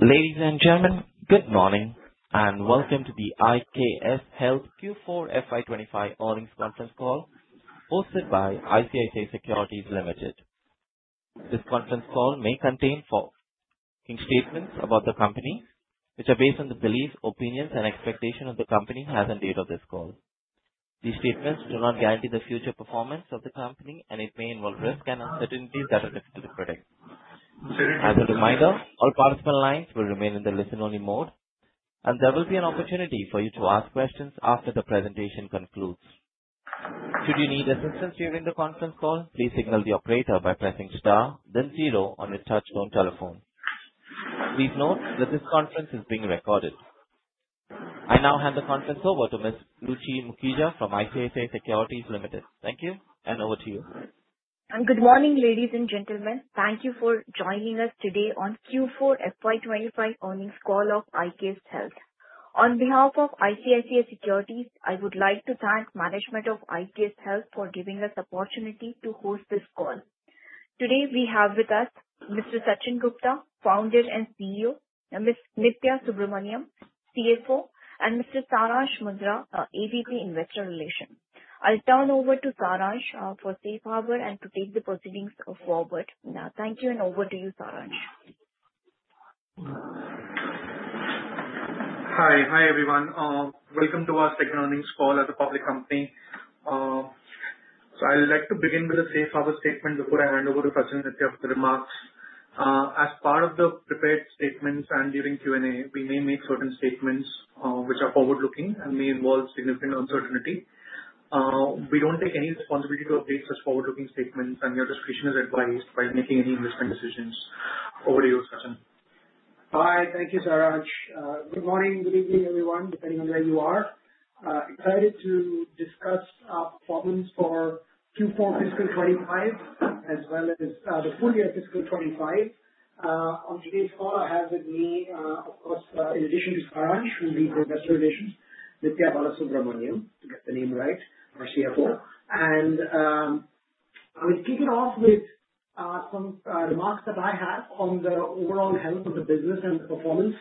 Ladies and gentlemen, good morning and welcome to the IKS Health Q4 FY25 Earnings Conference Call hosted by ICICI Securities Limited. This conference call may contain forward-looking statements about the company, which are based on the beliefs, opinions, and expectations the company has on the date of this call. These statements do not guarantee the future performance of the company, and it may involve risks and uncertainties that are difficult to predict. As a reminder, all participant lines will remain in the listen-only mode, and there will be an opportunity for you to ask questions after the presentation concludes. Should you need assistance during the conference call, please signal the operator by pressing star, then zero on your touch-tone telephone. Please note that this conference is being recorded. I now hand the conference over to Ms. Ruchi Makhija from ICICI Securities Limited. Thank you, and over to you. Good morning, ladies and gentlemen. Thank you for joining us today on Q4 FY25 Earnings Call of IKS Health. On behalf of ICICI Securities, I would like to thank the management of IKS Health for giving us the opportunity to host this call. Today, we have with us Mr. Sachin Gupta, Founder and CEO, Ms. Nithya Balasubramanian, CFO, and Mr. Saransh Mundra, AVP Investor Relations. I'll turn over to Saransh for safe harbor and to take the proceedings forward. Thank you, and over to you, Saransh. Hi, everyone. Welcome to our second earnings call as a public company. I'd like to begin with a safe harbor statement before I hand over to Sachin with the remarks. As part of the prepared statements and during Q&A, we may make certain statements which are forward-looking and may involve significant uncertainty. We don't take any responsibility to update such forward-looking statements, and your discretion is advised when making any investment decisions. Over to you, Sachin. Hi, thank you, Saransh. Good morning, good evening, everyone, depending on where you are. Excited to discuss our performance for Q4 fiscal 2025 as well as the full year fiscal 2025. On today's call, I have with me, of course, in addition to Saransh, who leads investor relations, Nithya Balasubramanian, to get the name right, our CFO. And I will kick it off with some remarks that I have on the overall health of the business and performance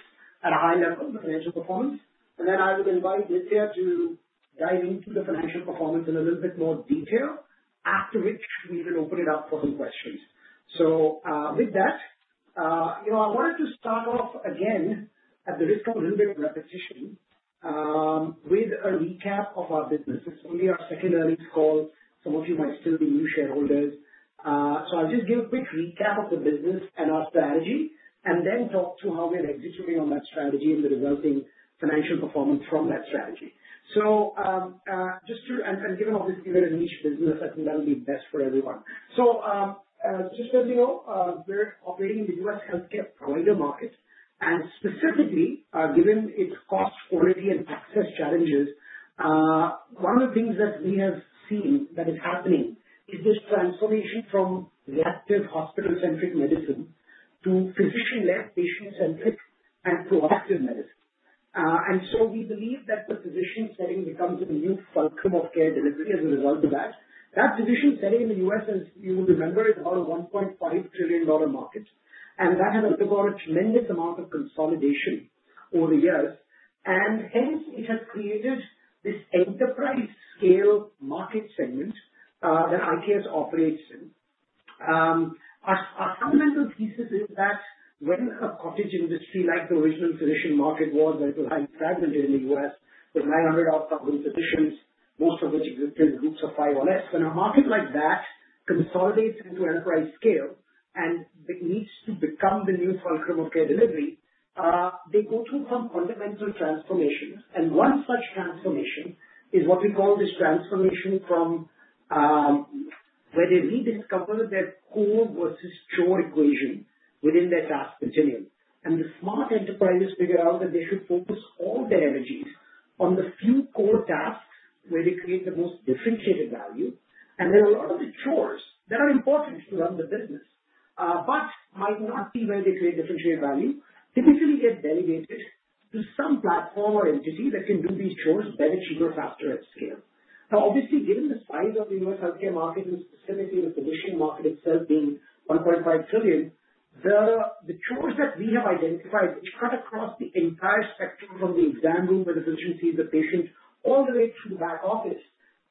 at a high level, the financial performance. And then I will invite Nithya to dive into the financial performance in a little bit more detail, after which we will open it up for some questions. So with that, I wanted to start off again, at the risk of a little bit of repetition, with a recap of our business. This is only our second earnings call. Some of you might still be new shareholders. So I'll just give a quick recap of the business and our strategy, and then talk to how we're executing on that strategy and the resulting financial performance from that strategy. And given, obviously, we're a niche business, I think that'll be best for everyone. So just so you know, we're operating in the U.S. healthcare provider market. And specifically, given its cost, quality, and access challenges, one of the things that we have seen that is happening is this transformation from reactive hospital-centric medicine to physician-led, patient-centric, and proactive medicine. And so we believe that the physician setting becomes a new fulcrum of care delivery as a result of that. That physician setting in the U.S., as you will remember, is about a $1.5 trillion market. And that has undergone a tremendous amount of consolidation over the years. Hence, it has created this enterprise-scale market segment that IKS operates in. Our fundamental thesis is that when a cottage industry like the original physician market was, as you'll find, fragmented in the U.S. with 900-odd thousand physicians, most of which existed in groups of five or less, when a market like that consolidates into enterprise scale and needs to become the new fulcrum of care delivery, they go through some fundamental transformations. One such transformation is what we call this transformation from where they rediscover their core versus chore equation within their task continuum. The smart enterprises figure out that they should focus all their energies on the few core tasks where they create the most differentiated value. And then a lot of the chores that are important to run the business but might not be where they create differentiated value typically get delegated to some platform or entity that can do these chores better, cheaper, faster, at scale. Now, obviously, given the size of the U.S. healthcare market and specifically the physician market itself being $1.5 trillion, the chores that we have identified, which cut across the entire spectrum from the exam room where the physician sees the patient all the way to the back office,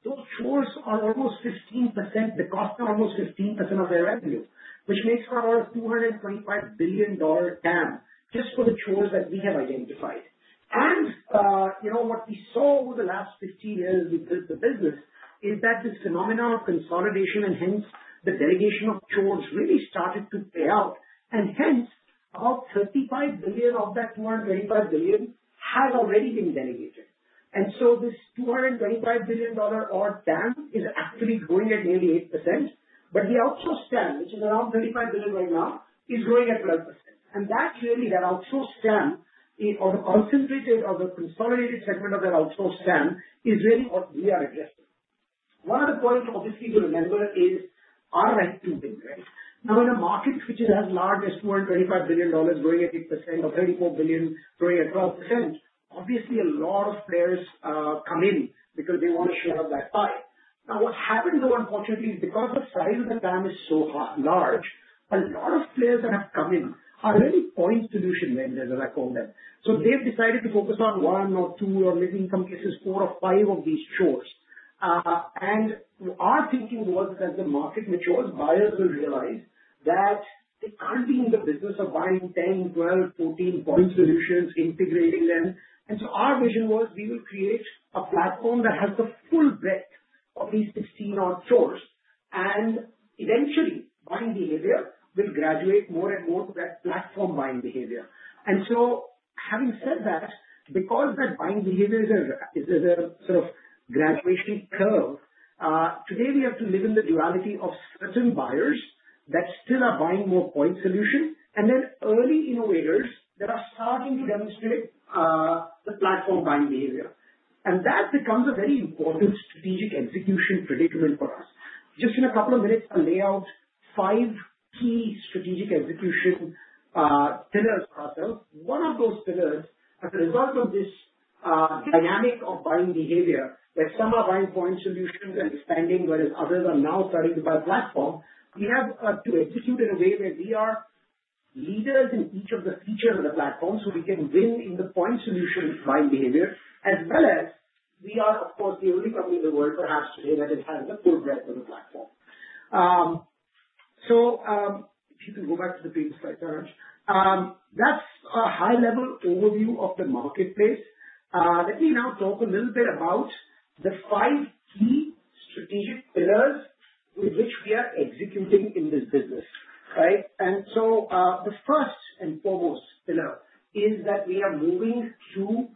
those chores are almost 15% of their revenue, which makes for about a $225 billion TAM just for the chores that we have identified. And what we saw over the last 15 years with the business is that this phenomenon of consolidation and hence the delegation of chores really started to play out. And hence, about $35 billion of that $225 billion has already been delegated. And so this $225 billion odd TAM is actually growing at nearly 8%. But the outsourced segment, which is around $35 billion right now, is growing at 12%. And that's really that outsourced segment or the concentrated or the consolidated segment of that outsourced segment is really what we are addressing. One other point, obviously, to remember is our ranking thing, right? Now, in a market which is as large as $225 billion growing at 8% or $34 billion growing at 12%, obviously, a lot of players come in because they want to share of that pie. Now, what happens, though, unfortunately, is because the size of the TAM is so large, a lot of players that have come in are really point solution vendors, as I call them. So they've decided to focus on one or two or, maybe in some cases, four or five of these chores. And our thinking was that as the market matures, buyers will realize that they can't be in the business of buying 10, 12, 14 point solutions, integrating them. And so our vision was we will create a platform that has the full breadth of these 16 odd chores. And eventually, buying behavior will graduate more and more to that platform buying behavior. And so having said that, because that buying behavior is a sort of graduation curve, today we have to live in the duality of certain buyers that still are buying more point solution and then early innovators that are starting to demonstrate the platform buying behavior. And that becomes a very important strategic execution predicament for us. Just in a couple of minutes, I'll lay out five key strategic execution pillars for ourselves. One of those pillars, as a result of this dynamic of buying behavior, where some are buying point solutions and expanding, whereas others are now starting to buy platform, we have to execute in a way where we are leaders in each of the features of the platform so we can win in the point solution buying behavior, as well as we are, of course, the only company in the world, perhaps today, that is having the full breadth of the platform. So if you can go back to the previous slide, Saransh. That's a high-level overview of the marketplace. Let me now talk a little bit about the five key strategic pillars with which we are executing in this business, right? The first and foremost pillar is that we are moving to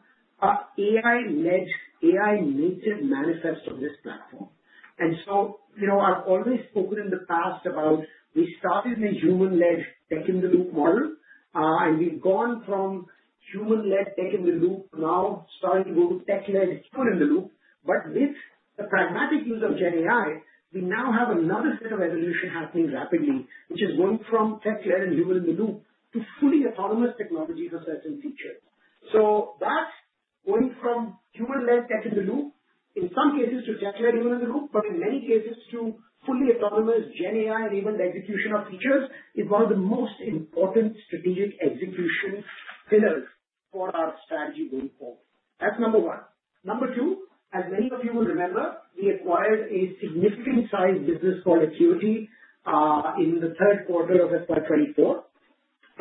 an AI-led, AI-native manifest of this platform. I've always spoken in the past about we started in a human-led tech-in-the-loop model, and we've gone from human-led tech-in-the-loop now starting to go to tech-led human-in-the-loop. But with the pragmatic use of GenAI, we now have another set of evolution happening rapidly, which is going from tech-led and human-in-the-loop to fully autonomous technology for certain features. That's going from human-led tech-in-the-loop, in some cases, to tech-led human-in-the-loop, but in many cases, to fully autonomous GenAI and even the execution of features is one of the most important strategic execution pillars for our strategy going forward. That's number one. Number two, as many of you will remember, we acquired a significant-sized business called AQuity in the third quarter of FY24.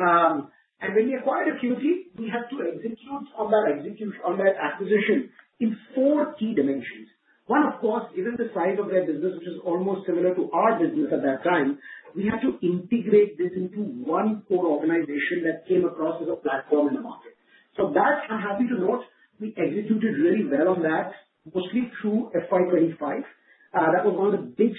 When we acquired AQuity, we had to execute on that acquisition in four key dimensions. One, of course, given the size of their business, which is almost similar to our business at that time, we had to integrate this into one core organization that came across as a platform in the market. So that, I'm happy to note, we executed really well on that, mostly through FY25. That was one of the big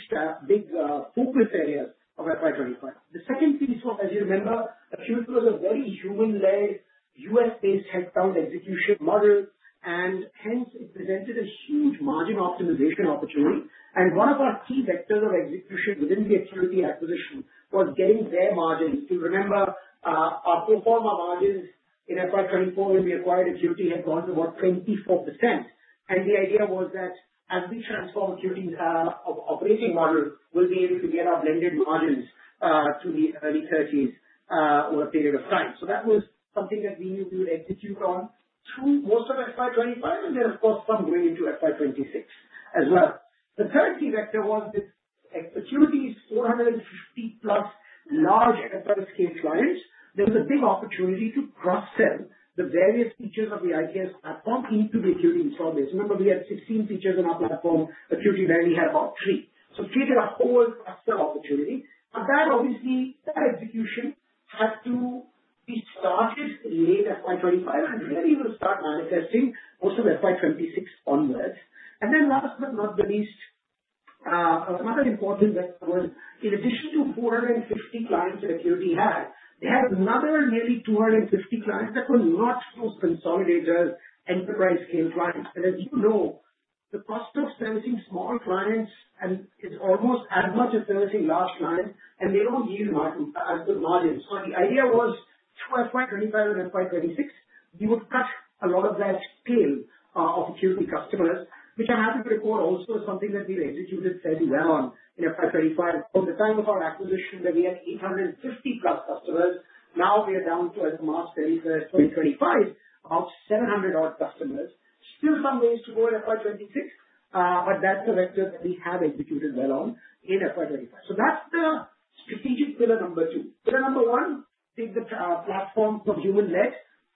focus areas of FY25. The second piece was, as you remember, AQuity was a very human-led, U.S.-based headcount execution model, and hence it presented a huge margin optimization opportunity. And one of our key vectors of execution within the AQuity acquisition was getting their margins. You'll remember our pro forma margins in FY24 when we acquired AQuity had gone to about 24%. And the idea was that as we transform AQuity's operating model, we'll be able to get our blended margins to the early 30s over a period of time. So that was something that we knew we would execute on through most of FY25, and then, of course, some going into FY26 as well. The third key vector was that AQuity's 450+ large enterprise-scale clients, there was a big opportunity to cross-sell the various features of the IKS platform into the AQuity install base. Remember, we had 16 features in our platform. AQuity barely had about three. So created a whole cross-sell opportunity. But that, obviously, execution had to be started late FY25 and really will start manifesting most of FY26 onwards. Then last but not the least, another important vector was, in addition to 450 clients that AQuity had, they had another nearly 250 clients that were not those consolidated enterprise-scale clients. And as you know, the cost of servicing small clients is almost as much as servicing large clients, and they don't yield as good margins. So the idea was, through FY25 and FY26, we would cut a lot of that scale of AQuity customers, which I'm happy to report also is something that we've executed fairly well on in FY25. From the time of our acquisition, when we had 850+ customers, now we are down to, as the math tells, by 2025, about 700-odd customers. Still some ways to go in FY26, but that's a vector that we have executed well on in FY25. So that's the strategic pillar number two. Pillar number one, take the platform from human-led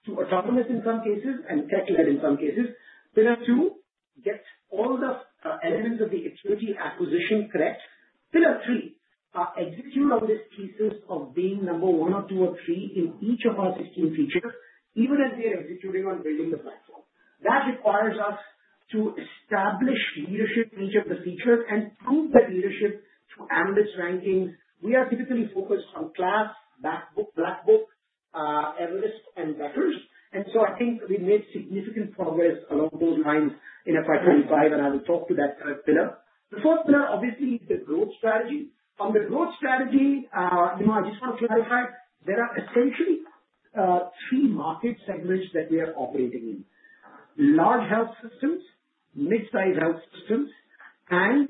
to autonomous in some cases and tech-led in some cases. Pillar two, get all the elements of the AQuity acquisition correct. Pillar three, execute on this thesis of being number one or two or three in each of our 16 features, even as we are executing on building the platform. That requires us to establish leadership in each of the features and prove that leadership through Ambit's rankings. We are typically focused on KLAS, Black Book, Everest, and Becker's. And so I think we've made significant progress along those lines in FY25, and I will talk to that pillar. The fourth pillar, obviously, is the growth strategy. On the growth strategy, I just want to clarify there are essentially three market segments that we are operating in: large health systems, mid-size health systems, and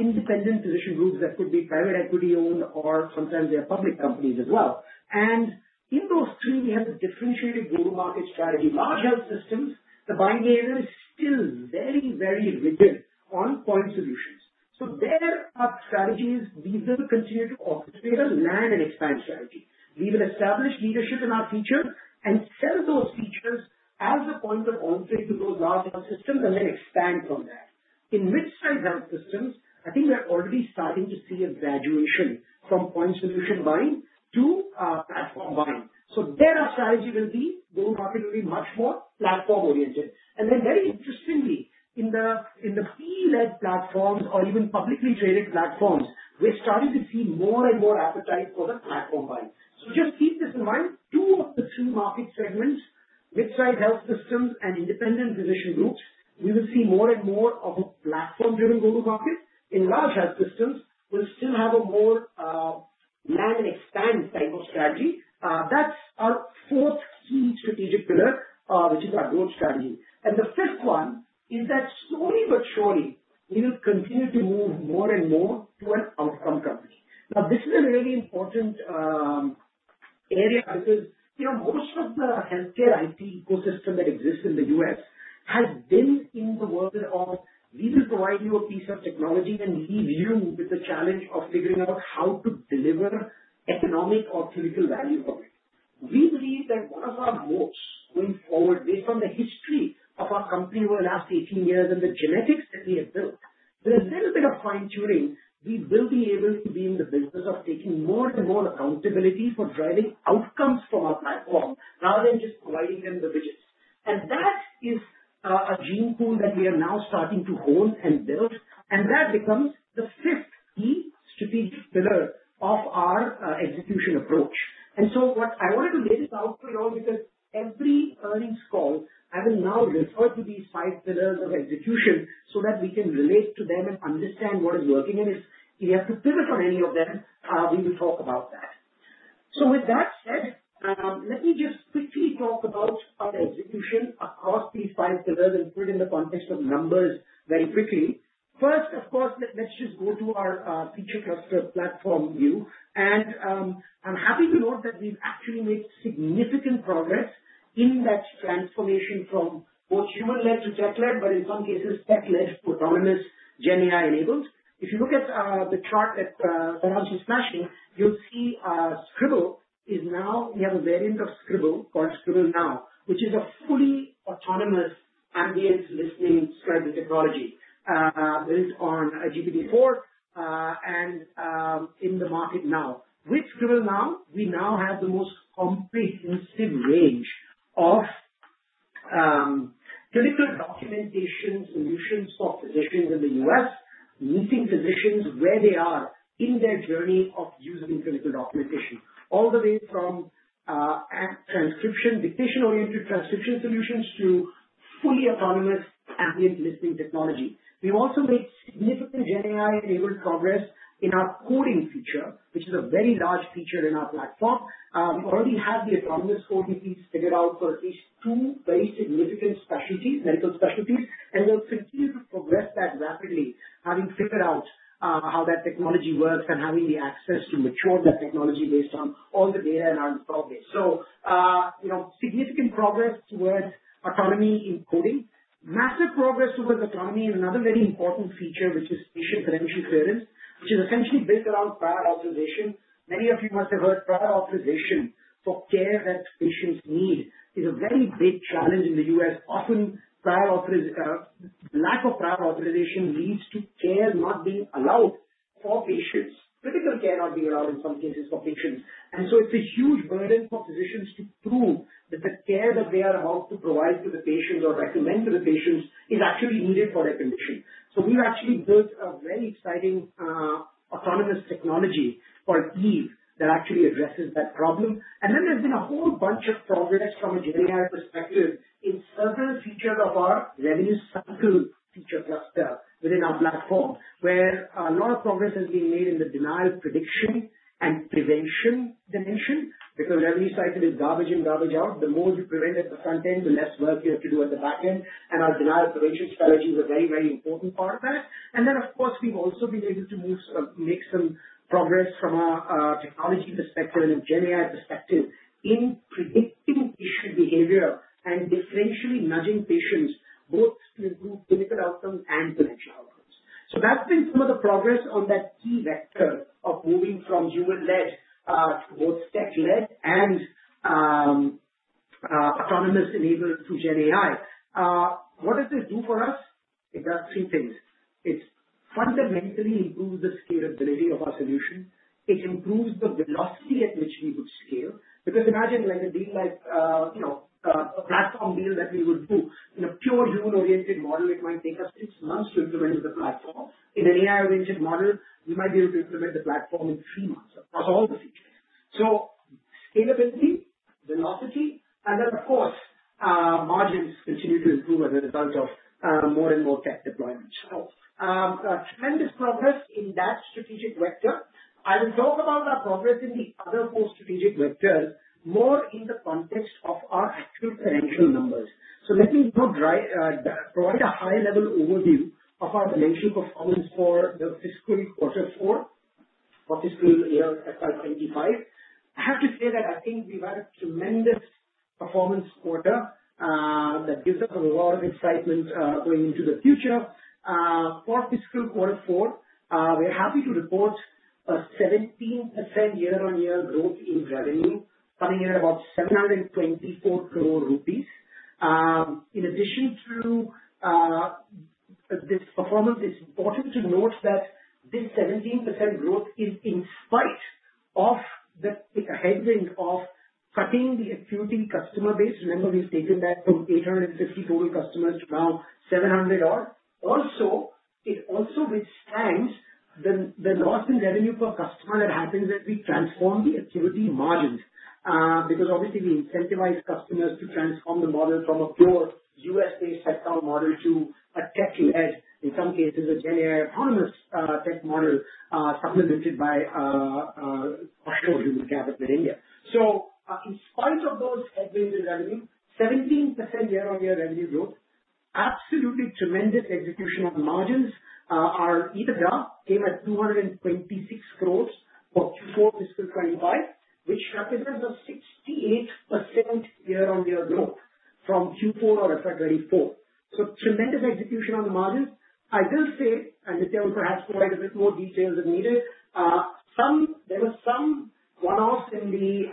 independent physician groups that could be private equity-owned or sometimes they are public companies as well. And in those three, we have a differentiated go-to-market strategy. Large health systems, the buying behavior is still very, very rigid on point solutions. So there are strategies we will continue to operate. We will land and expand strategy. We will establish leadership in our features and sell those features as a point of entry to those large health systems and then expand from that. In mid-size health systems, I think we're already starting to see a graduation from point solution buying to platform buying. So there our go-to-market strategy will be much more platform-oriented. And then, very interestingly, in the PE-led platforms or even publicly traded platforms, we're starting to see more and more appetite for the platform buying. So just keep this in mind. Two of the three market segments, mid-size health systems and independent physician groups, we will see more and more of a platform-driven go-to-market. In large health systems, we'll still have a more land-and-expand type of strategy. That's our fourth key strategic pillar, which is our growth strategy. And the fifth one is that slowly but surely, we will continue to move more and more to an outcome company. Now, this is a really important area because most of the healthcare IT ecosystem that exists in the U.S. has been in the world of, "We will provide you a piece of technology and leave you with the challenge of figuring out how to deliver economic or clinical value from it." We believe that one of our moats going forward, based on the history of our company over the last 18 years and the genetics that we have built, with a little bit of fine-tuning, we will be able to be in the business of taking more and more accountability for driving outcomes from our platform rather than just providing them the widgets, and that is a gene pool that we are now starting to hone and build, and that becomes the fifth key strategic pillar of our execution approach. And so what I wanted to lay this out for you all, because every earnings call, I will now refer to these five pillars of execution so that we can relate to them and understand what is working. And if we have to pivot on any of them, we will talk about that. So with that said, let me just quickly talk about our execution across these five pillars and put it in the context of numbers very quickly. First, of course, let's just go to our future client platform view. And I'm happy to note that we've actually made significant progress in that transformation from both human-led to tech-led, but in some cases, tech-led to autonomous GenAI-enabled. If you look at the chart that Saransh is flashing, you'll see Scribble is now we have a variant of Scribble called Scribble Now, which is a fully autonomous ambient listening strategy technology built on GPT-4 and in the market now. With Scribble Now, we now have the most comprehensive range of clinical documentation solutions for physicians in the U.S., meeting physicians where they are in their journey of using clinical documentation, all the way from transcription, dictation-oriented transcription solutions to fully autonomous ambient listening technology. We've also made significant GenAI-enabled progress in our coding feature, which is a very large feature in our platform. We already have the autonomous coding piece figured out for at least two very significant specialties, medical specialties, and we'll continue to progress that rapidly, having figured out how that technology works and having the access to mature that technology based on all the data in our development. So significant progress towards autonomy in coding, massive progress towards autonomy in another very important feature, which is patient credential clearance, which is essentially built around prior authorization. Many of you must have heard prior authorization for care that patients need is a very big challenge in the U.S. Often, lack of prior authorization leads to care not being allowed for patients, critical care not being allowed in some cases for patients. And so it's a huge burden for physicians to prove that the care that they are about to provide to the patients or recommend to the patients is actually needed for their condition. So we've actually built a very exciting autonomous technology called EVE that actually addresses that problem. And then there's been a whole bunch of progress from a GenAI perspective in several features of our revenue cycle feature cluster within our platform, where a lot of progress has been made in the denial prediction and prevention dimension. Because revenue cycle is garbage in, garbage out. The more you prevent at the front end, the less work you have to do at the back end. And our denial prevention strategy is a very, very important part of that. And then, of course, we've also been able to make some progress from a technology perspective and a GenAI perspective in predicting issue behavior and differentially nudging patients both to improve clinical outcomes and credential outcomes. So that's been some of the progress on that key vector of moving from human-led to both tech-led and autonomous-enabled through GenAI. What does it do for us? It does three things. It fundamentally improves the scalability of our solution. It improves the velocity at which we would scale. Because imagine a deal like a platform deal that we would do in a pure human-oriented model, it might take us six months to implement with the platform. In an AI-oriented model, we might be able to implement the platform in three months across all the features. So scalability, velocity, and then, of course, margins continue to improve as a result of more and more tech deployment. So tremendous progress in that strategic vector. I will talk about our progress in the other four strategic vectors more in the context of our actual financial numbers. So let me provide a high-level overview of our financial performance for the fiscal quarter four or fiscal year FY25. I have to say that I think we've had a tremendous performance quarter that gives us a lot of excitement going into the future. For fiscal quarter four, we're happy to report a 17% year-on-year growth in revenue, coming in at about 724 crore rupees. In addition to this performance, it's important to note that this 17% growth is in spite of the headwind of cutting the AQuity customer base. Remember, we've taken that from 850 total customers to now 700-odd. Also, it also withstands the loss in revenue per customer that happens as we transform the AQuity margins. Because obviously, we incentivize customers to transform the model from a pure U.S.-based headcount model to a tech-led, in some cases, a GenAI autonomous tech model supplemented by a push for human capital in India. So in spite of those headwinds in revenue, 17% year-on-year revenue growth, absolutely tremendous execution on margins. Our EBITDA came at 226 crores for Q4 fiscal 2025, which represents a 68% year-on-year growth from Q4 FY 2024. So tremendous execution on the margins. I will say, and this tells perhaps quite a bit more details than needed, there were some one-offs in the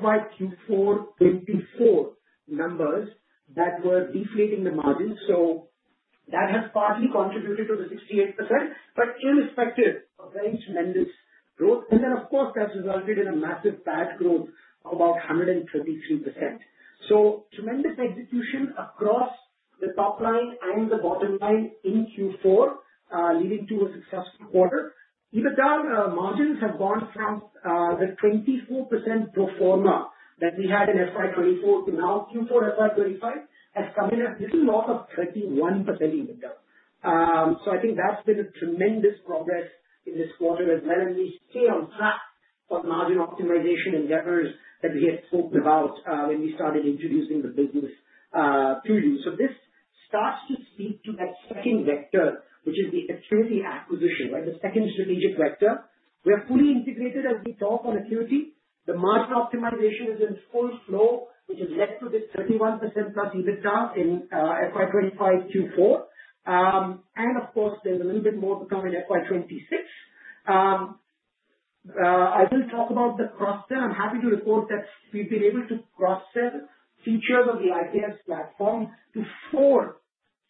FY24 Q4 numbers that were deflating the margins. So that has partly contributed to the 68%, but irrespective, a very tremendous growth. And then, of course, that's resulted in a massive PAT growth of about 133%. So tremendous execution across the top line and the bottom line in Q4, leading to a successful quarter. EBITDA margins have gone from the 24% pro forma that we had in FY24 to now Q4 FY25 has come in at 31% EBITDA. So I think that's been a tremendous progress in this quarter as well. We stay on track for the margin optimization endeavors that we had spoken about when we started introducing the business to you. So this starts to speak to that second vector, which is the AQuity acquisition, right? The second strategic vector. We are fully integrated as we talk on AQuity. The margin optimization is in full flow, which has led to this 31%+ EBITDA in FY25 Q4. Of course, there's a little bit more to come in FY26. I will talk about the cross-sell. I'm happy to report that we've been able to cross-sell features of the IKS platform to four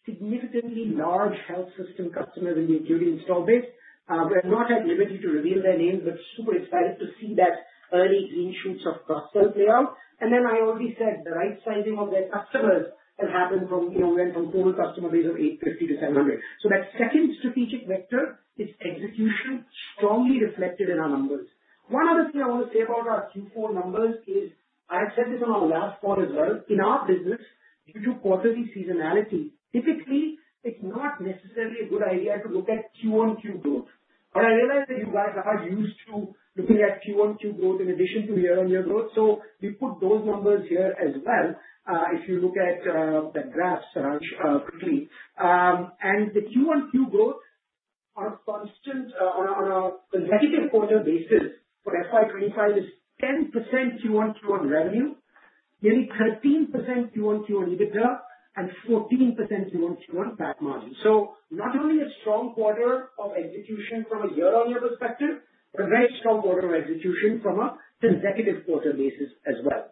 significantly large health system customers in the AQuity install base. We're not at liberty to reveal their names, but super excited to see that early green shoots of cross-sell play out. Then I already said the right sizing of their customers has happened from we went from total customer base of 850 to 700. So that second strategic vector is execution, strongly reflected in our numbers. One other thing I want to say about our Q4 numbers is I have said this on our last call as well. In our business, due to quarterly seasonality, typically, it's not necessarily a good idea to look at QoQ growth. But I realize that you guys are used to looking at QoQ growth in addition to year-on-year growth. So we put those numbers here as well if you look at the graphs quickly. And the QoQ growth on a consecutive quarter basis for FY25 is 10% QoQ on revenue, nearly 13% QoQ on EBITDA, and 14% QoQ on EBITDA margin. So not only a strong quarter of execution from a year-on-year perspective, but a very strong quarter of execution from a consecutive quarter basis as well.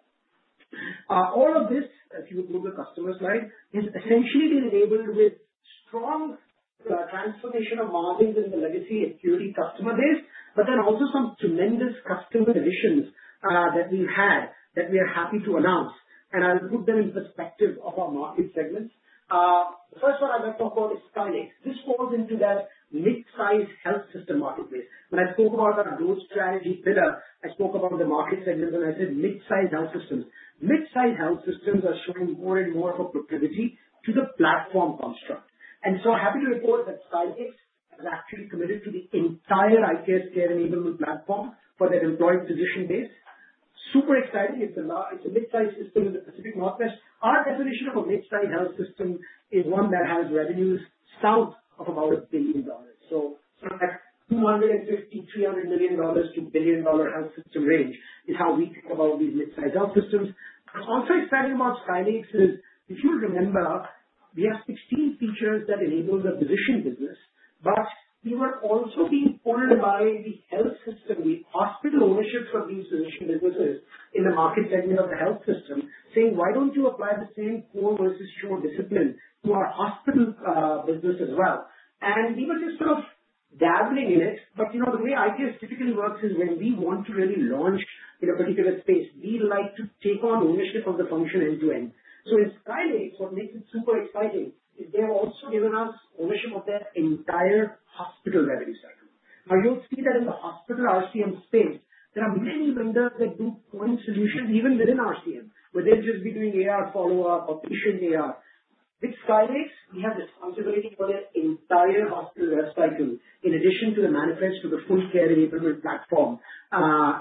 All of this, if you would move to the customer side, has essentially been enabled with strong transformation of margins in the legacy AQuity customer base, but then also some tremendous customer additions that we've had that we are happy to announce. And I'll put them in perspective of our market segments. The first one I'm going to talk about is Sky Lakes. This falls into that mid-size health system marketplace. When I spoke about our growth strategy pillar, I spoke about the market segments, and I said mid-size health systems. Mid-size health systems are showing more and more of a proclivity to the platform construct. And so I'm happy to report that Sky Lakes has actually committed to the entire IKS Care Enablement Platform for their employee physician base. Super exciting. It's a mid-size system in the Pacific Northwest. Our definition of a mid-size health system is one that has revenues south of about $1 billion. So sort of like $250-$300 million to $1 billion health system range is how we think about these mid-size health systems. What's also exciting about Sky Lakes is, if you remember, we have 16 features that enable the physician business, but we were also being pulled by the health system, the hospital ownership for these physician businesses in the market segment of the health system, saying, "Why don't you apply the same core versus offshore discipline to our hospital business as well?" And we were just sort of dabbling in it. But the way IKS typically works is when we want to really launch in a particular space, we like to take on ownership of the function end to end. So in Sky Lakes, what makes it super exciting is they've also given us ownership of their entire hospital revenue cycle. Now, you'll see that in the hospital RCM space, there are many vendors that do point solutions even within RCM, where they'll just be doing AR follow-up or patient AR. With Sky Lakes, we have responsibility for their entire hospital revenue cycle in addition to the adoption of the full IKS Care Enablement Platform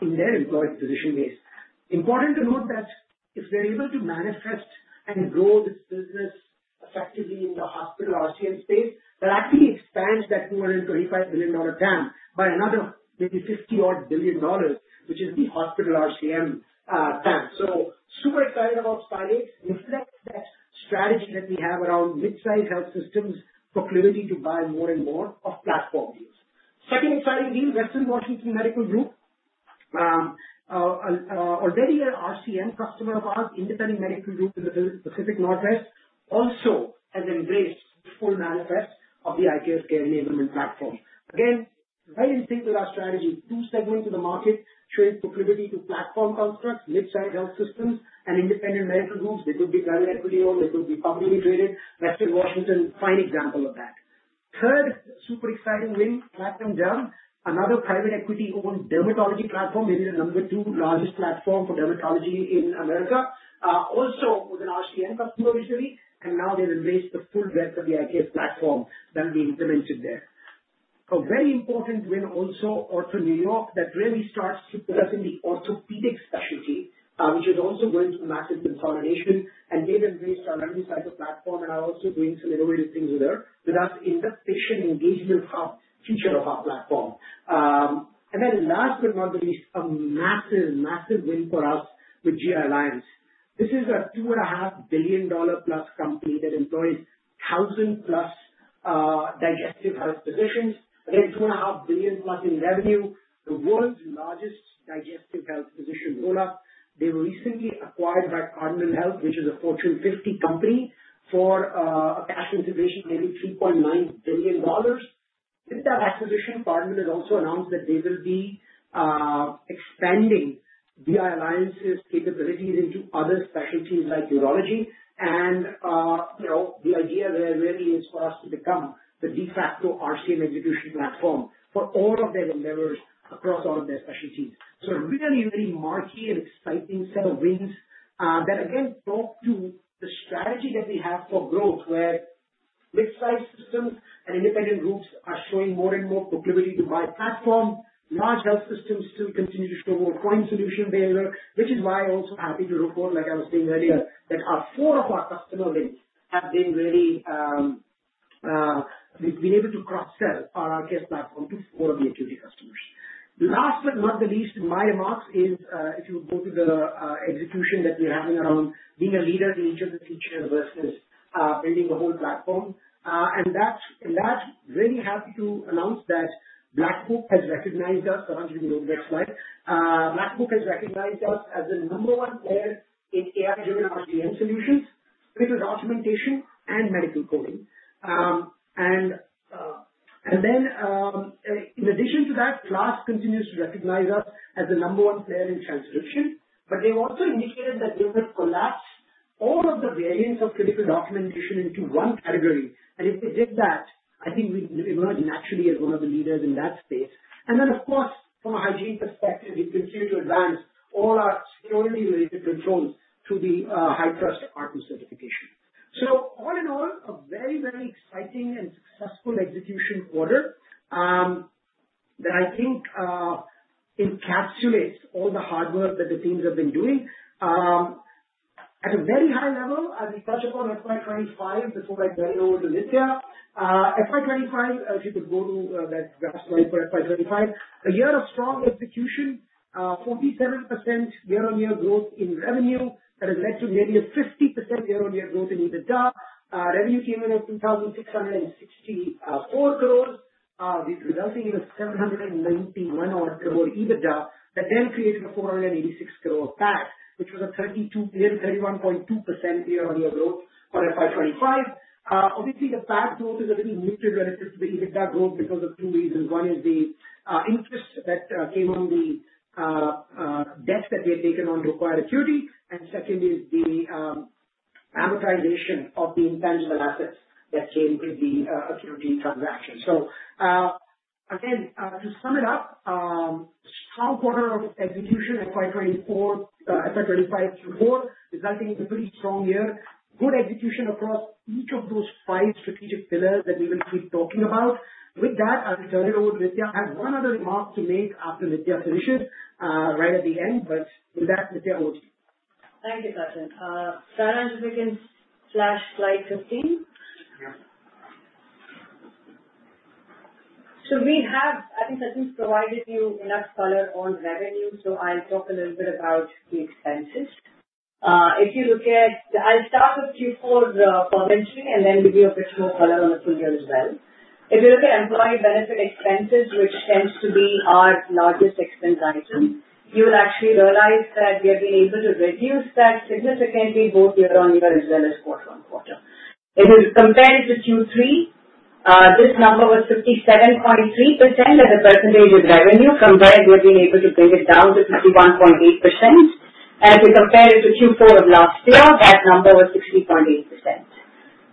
in their employed physician base. Important to note that if we're able to monetize and grow this business effectively in the hospital RCM space, that actually expands that $225 million TAM by another maybe $50-odd billion, which is the hospital RCM TAM, so super excited about Sky Lakes. Reflects that strategy that we have around mid-size health systems' proclivity to buy more and more of platform deals. Second exciting deal, Western Washington Medical Group, already an RCM customer of ours, independent medical group in the Pacific Northwest, also has embraced full adoption of the IKS Care Enablement Platform. Again, very consistent with our strategy. Two segments of the market showing proclivity to platform constructs, mid-size health systems, and independent medical groups. They could be private equity-owned. They could be publicly traded. Western Washington, fine example of that. Third super exciting win, Platinum Dermatology Partners, another private equity-owned dermatology platform, maybe the number two largest platform for dermatology in America, also with an RCM customer originally. Now they've embraced the full breadth of the IKS platform that will be implemented there. A very important win also for New York that really starts to put us in the orthopedic specialty, which is also going through massive consolidation and maybe embraced our revenue cycle platform and are also doing some innovative things with us in the patient engagement feature of our platform. Then last but not the least, a massive, massive win for us with GI Alliance. This is a $2.5+ billion company that employs 1,000+ digestive health physicians. Again, $2.5+ billion in revenue, the world's largest digestive health physician roll-up. They were recently acquired by Cardinal Health, which is a Fortune 50 company, for a cash transaction, maybe $3.9 billion. With that acquisition, Cardinal has also announced that they will be expanding GI Alliance's capabilities into other specialties like urology. And the idea there really is for us to become the de facto RCM execution platform for all of their endeavors across all of their specialties. So really, really marquee and exciting set of wins that, again, talk to the strategy that we have for growth, where mid-size systems and independent groups are showing more and more proclivity to buy platform. Large health systems still continue to show more point solution behavior, which is why I'm also happy to report, like I was saying earlier, that four of our customer wins have really been able to cross-sell our IKS platform to four of the AQuity customers. Last but not the least, my remarks are, if you would go to the execution that we're having around being a leader in each of the features versus building the whole platform. I'm really happy to announce that Black Book has recognized us. I'm just going to go to the next slide. Black Book has recognized us as the number one player in AI-driven RCM solutions with documentation and medical coding. In addition to that, KLAS continues to recognize us as the number one player in transcription. But they've also indicated that they will collapse all of the variants of clinical documentation into one category. And if they did that, I think we emerge naturally as one of the leaders in that space. And then, of course, from a hygiene perspective, we continue to advance all our security-related controls through the HITRUST r2 certification. So all in all, a very, very exciting and successful execution quarter that I think encapsulates all the hard work that the teams have been doing. At a very high level, as we touch upon FY25 before I turn it over to Nithya. FY25, if you could go to that graph slide for FY25, a year of strong execution, 47% year-on-year growth in revenue that has led to nearly a 50% year-on-year growth in EBITDA. Revenue came in at 2,664 crores, resulting in a 791 odd crore EBITDA that then created a 486 crore PAT, which was a 31.2% year-on-year growth for FY25. Obviously, the PAT growth is a little muted relative to the EBITDA growth because of two reasons. One is the interest that came on the debts that we had taken on to acquire AQuity. And second is the amortization of the intangible assets that came with the AQuity transaction. So again, to sum it up, strong quarter of execution, FY25 Q4, resulting in a pretty strong year. Good execution across each of those five strategic pillars that we will keep talking about. With that, I'll turn it over to Nithya. I have one other remark to make after Nithya finishes right at the end, but with that, Nithya, over to you. Thank you, Sachin. So we have, I think, Sachin's provided you enough color on revenue, so I'll talk a little bit about the expenses. If you look at, I'll start with Q4 quarterly and then give you a bit more color on the full year as well. If you look at employee benefit expenses, which tends to be our largest expense item, you will actually realize that we have been able to reduce that significantly both year-on-year as well as quarter-on-quarter. If you compare it to Q3, this number was 57.3% as a percentage of revenue, from where we have been able to bring it down to 51.8%. If you compare it to Q4 of last year, that number was 60.8%.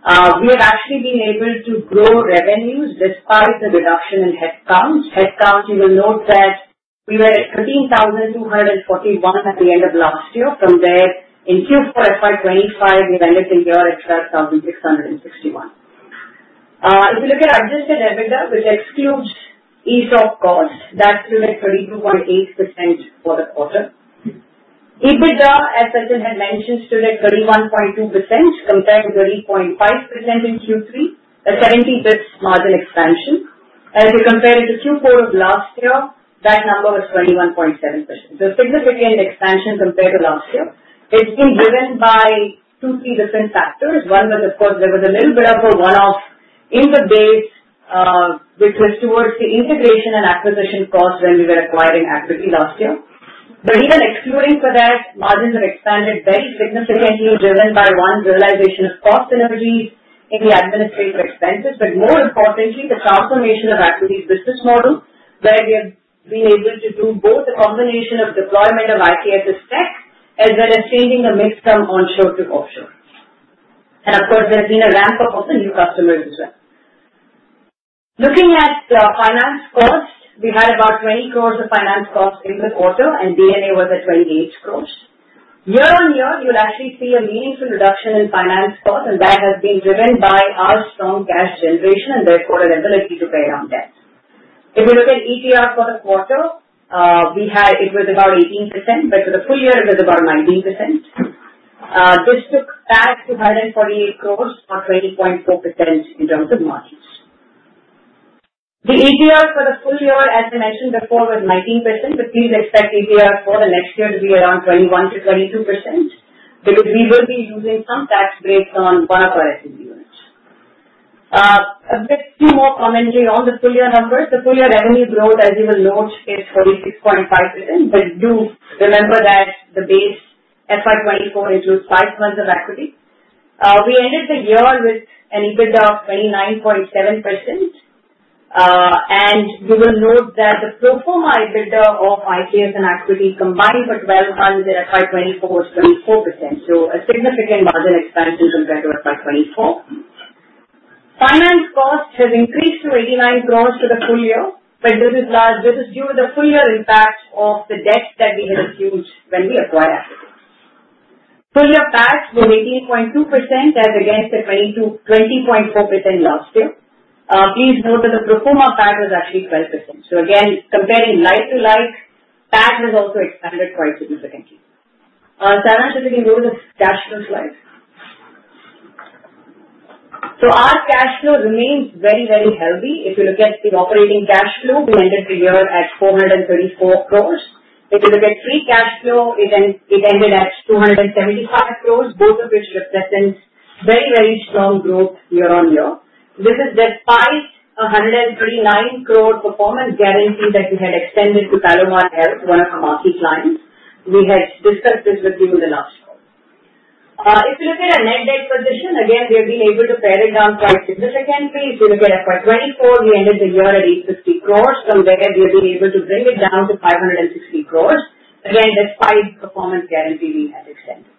We have actually been able to grow revenues despite the reduction in headcount. Headcount, you will note that we were at 13,241 at the end of last year. From there, in Q4 FY25, we went up year-on-year at 12,661. If you look at adjusted EBITDA, which excludes ESOP cost, that stood at 32.8% for the quarter. EBITDA, as Sachin had mentioned, stood at 31.2% compared to 30.5% in Q3, a 70 basis points margin expansion, and if you compare it to Q4 of last year, that number was 21.7%, so significant expansion compared to last year. It's been driven by two, three different factors. One was, of course, there was a little bit of a one-off in the base, which was towards the integration and acquisition cost when we were acquiring AQuity last year, but even excluding for that, margins have expanded very significantly, driven by, one, realization of cost synergies in the administrative expenses. But more importantly, the transformation of AQuity's business model, where we have been able to do both a combination of deployment of IKS's tech as well as changing the mix from onshore to offshore. And of course, there has been a ramp-up of the new customers as well. Looking at the finance cost, we had about 20 crore of finance cost in the quarter, and EBITDA was at 28 crore. Year-on-year, you'll actually see a meaningful reduction in finance cost, and that has been driven by our strong cash generation and therefore our ability to pay down debt. If you look at ETR for the quarter, it was about 18%, but for the full year, it was about 19%. This took PAT 248 crore for 20.4% in terms of margins. The ETR for the full year, as I mentioned before, was 19%, but please expect ETR for the next year to be around 21%-22% because we will be using some tax breaks on one of our SMB units. A few more commentary on the full year numbers. The full year revenue growth, as you will note, is 46.5%, but do remember that the base FY24 includes five months of AQuity. We ended the year with an EBITDA of 29.7%. You will note that the pro forma EBITDA of IKS and AQuity combined for 12 months in FY24 was 24%. A significant margin expansion compared to FY24. Finance cost has increased to 89 crore for the full year, but this is due to the full year impact of the debt that we had incurred when we acquired AQuity. Full year PAT was 18.2% as against the 20.4% last year. Please note that the pro forma PAT was actually 12%. So again, comparing like to like, PAT has also expanded quite significantly. Saransh, if you can go to the cash flow slide. So our cash flow remains very, very healthy. If you look at the operating cash flow, we ended the year at 434 crores. If you look at free cash flow, it ended at 275 crores, both of which represent very, very strong growth year-on-year. This is despite a 139 crore performance guarantee that we had extended to Palomar Health, one of our marquee clients. We had discussed this with you in the last call. If you look at our net debt position, again, we have been able to pare it down quite significantly. If you look at FY24, we ended the year at 850 crores. From there, we have been able to bring it down to 560 crores, again, despite the performance guarantee we had extended.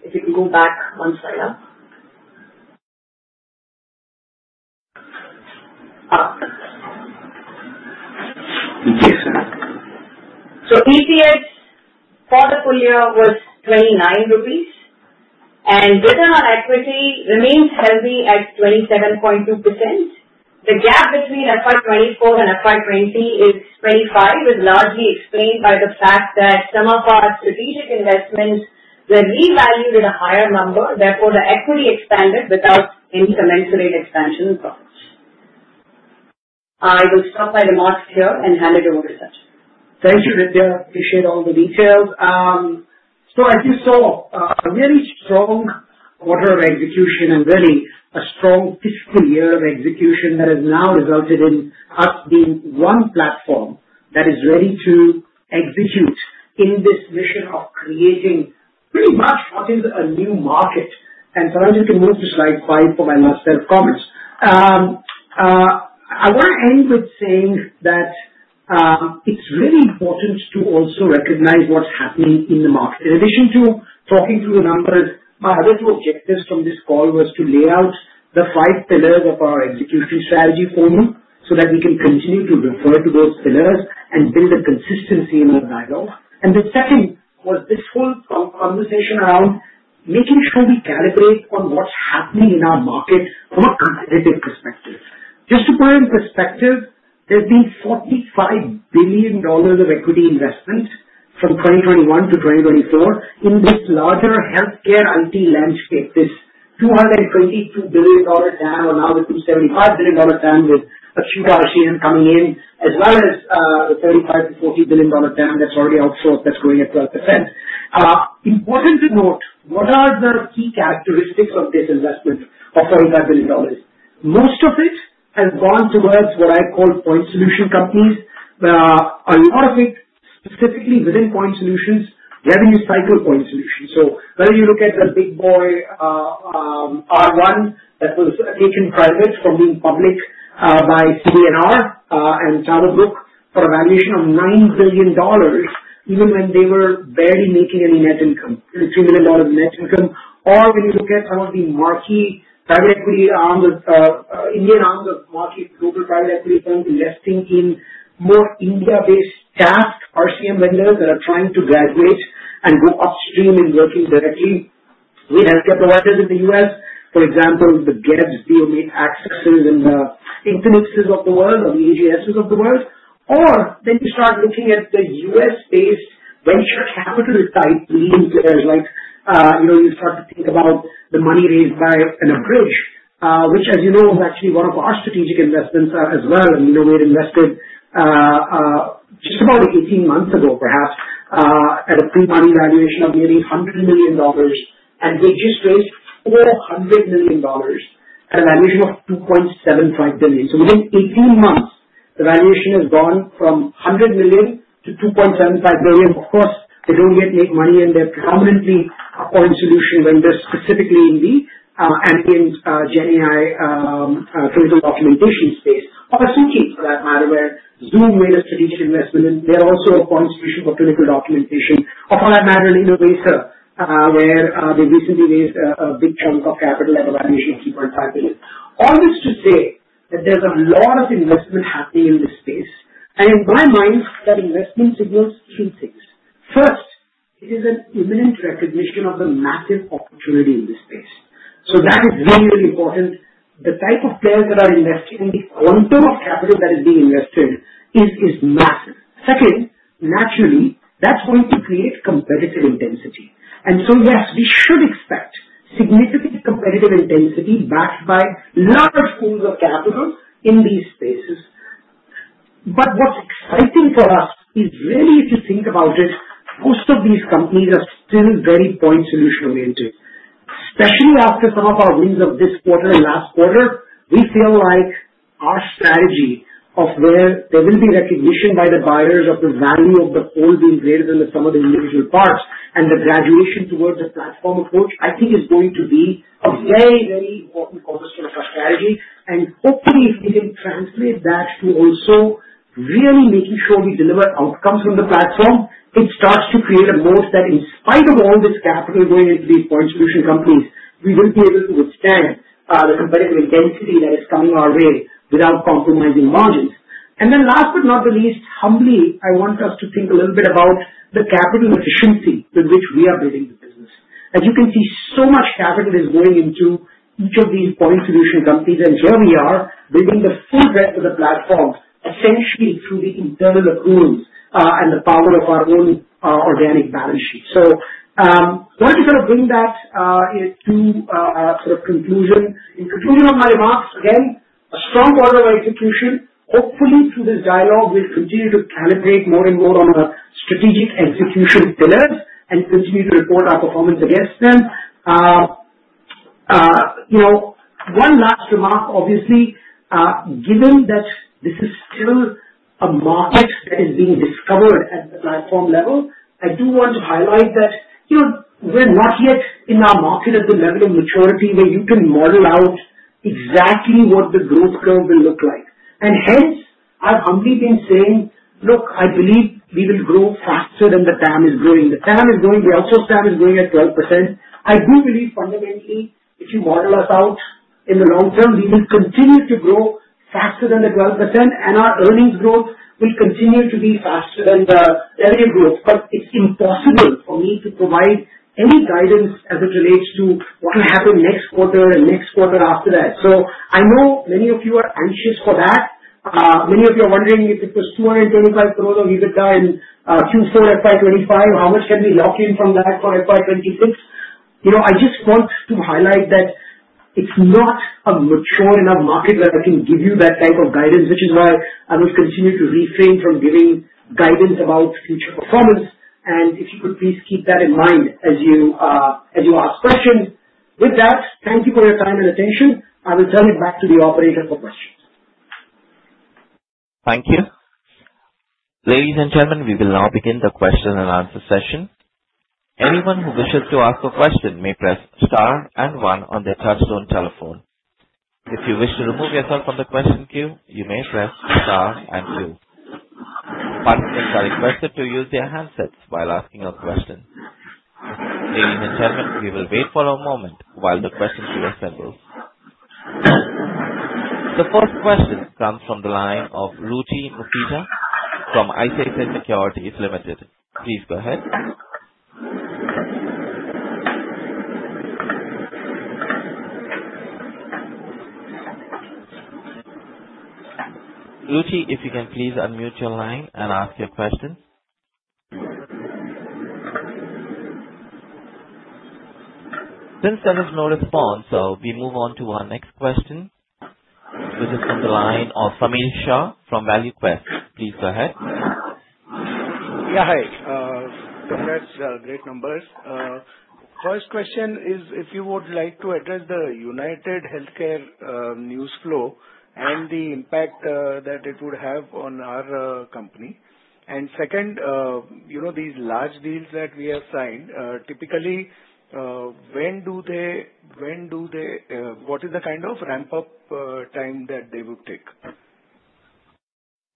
If you can go back one slide up. So EPS for the full year was 29 rupees, and return on equity remains healthy at 27.2%. The gap between FY24 and FY20 is 25, which is largely explained by the fact that some of our strategic investments were revalued at a higher number. Therefore, the equity expanded without any commensurate expansion in profits. I will stop my remarks here and hand it over to Sachin. Thank you, Nithya. Appreciate all the details. So as you saw, a really strong quarter of execution and really a strong fiscal year of execution that has now resulted in us being one platform that is ready to execute in this mission of creating pretty much what is a new market. Saransh, you can move to slide five for my last set of comments. I want to end with saying that it's really important to also recognize what's happening in the market. In addition to talking through the numbers, my other two objectives from this call were to lay out the five pillars of our execution strategy for you so that we can continue to refer to those pillars and build a consistency in our dialogue. And the second was this whole conversation around making sure we calibrate on what's happening in our market from a competitive perspective. Just to put it in perspective, there's been $45 billion of equity investment from 2021 to 2024 in this larger healthcare IT landscape. This $222 billion TAM are now with $275 billion TAM with acute RCM coming in, as well as the $35 billion-$40 billion TAM that's already outsourced that's going at 12%. Important to note, what are the key characteristics of this investment of $45 billion? Most of it has gone towards what I call point solution companies. A lot of it, specifically within point solutions, revenue cycle point solutions. So whether you look at the big boy R1 that was taken private from being public by CD&R and TowerBrook for a valuation of $9 billion, even when they were barely making any net income, $3 million net income. Or when you look at some of the marquee private equity arms, Indian arms of marquee global private equity firms investing in more India-based task RCM vendors that are trying to graduate and go upstream and working directly with healthcare providers in the U.S. For example, the GeBBS, Omegas, Accesses, and the Infinxes of the world, or the AGSs of the world. Or then you start looking at the U.S.-based venture capital type leading players. You start to think about the money raised by Abridge, which, as you know, is actually one of our strategic investments as well. And we had invested just about 18 months ago, perhaps, at a pre-money valuation of nearly $100 million. And they just raised $400 million at a valuation of $2.75 billion. So within 18 months, the valuation has gone from $100 million to $2.75 billion. Of course, they don't yet make money in their predominantly point solution vendors, specifically in the ambient GenAI clinical documentation space, or Suki AI for that matter, where Zoom made a strategic investment, and they're also a point solution for clinical documentation, or for that matter, Innovaccer, where they recently raised a big chunk of capital at a valuation of $3.5 billion. All this to say that there's a lot of investment happening in this space, and in my mind, that investment signals two things. First, it is an imminent recognition of the massive opportunity in this space, so that is really, really important. The type of players that are investing in the quantum of capital that is being invested is massive. Second, naturally, that's going to create competitive intensity, and so yes, we should expect significant competitive intensity backed by large pools of capital in these spaces. But what's exciting for us is really, if you think about it, most of these companies are still very point solution oriented. Especially after some of our wins of this quarter and last quarter, we feel like our strategy of where there will be recognition by the buyers of the value of the whole being greater than the sum of the individual parts and the graduation towards a platform approach, I think is going to be a very, very important cornerstone of our strategy. And hopefully, if we can translate that to also really making sure we deliver outcomes from the platform, it starts to create a moat that, in spite of all this capital going into these point solution companies, we will be able to withstand the competitive intensity that is coming our way without compromising margins. And then last but not the least, humbly, I want us to think a little bit about the capital efficiency with which we are building the business. As you can see, so much capital is going into each of these point solution companies, and here we are building the full breadth of the platform, essentially through the internal accruals and the power of our own organic balance sheet. So I wanted to sort of bring that to sort of conclusion. In conclusion of my remarks, again, a strong quarter of execution. Hopefully, through this dialogue, we'll continue to calibrate more and more on our strategic execution pillars and continue to report our performance against them. One last remark, obviously, given that this is still a market that is being discovered at the platform level, I do want to highlight that we're not yet in our market at the level of maturity where you can model out exactly what the growth curve will look like. And hence, I've humbly been saying, "Look, I believe we will grow faster than the TAM is growing." The TAM is growing. The outsourced TAM is growing at 12%. I do believe, fundamentally, if you model us out in the long term, we will continue to grow faster than the 12%, and our earnings growth will continue to be faster than the revenue growth. But it's impossible for me to provide any guidance as it relates to what will happen next quarter and next quarter after that. So I know many of you are anxious for that. Many of you are wondering if it was 225 crores of EBITDA in Q4 FY25, how much can we lock in from that for FY26. I just want to highlight that it's not a mature enough market where I can give you that type of guidance, which is why I will continue to refrain from giving guidance about future performance, and if you could please keep that in mind as you ask questions. With that, thank you for your time and attention. I will turn it back to the operator for questions. Thank you. Ladies and gentlemen, we will now begin the question and answer session. Anyone who wishes to ask a question may press star and one on their touchstone telephone. If you wish to remove yourself from the question queue, you may press star and two. Participants are requested to use their handsets while asking a question. Ladies and gentlemen, we will wait for a moment while the question queue assembles. The first question comes from the line of Ruchi Makhija from ICICI Securities Limited. Please go ahead. Ruchi, if you can please unmute your line and ask your question. Since there is no response, we move on to our next question, which is from the line of Sameer Shah from ValueQuest. Please go ahead. Yeah, hi. Congrats, great numbers. First question is if you would like to address the UnitedHealthcare news flow and the impact that it would have on our company. And second, these large deals that we have signed, typically what is the kind of ramp-up time that they would take?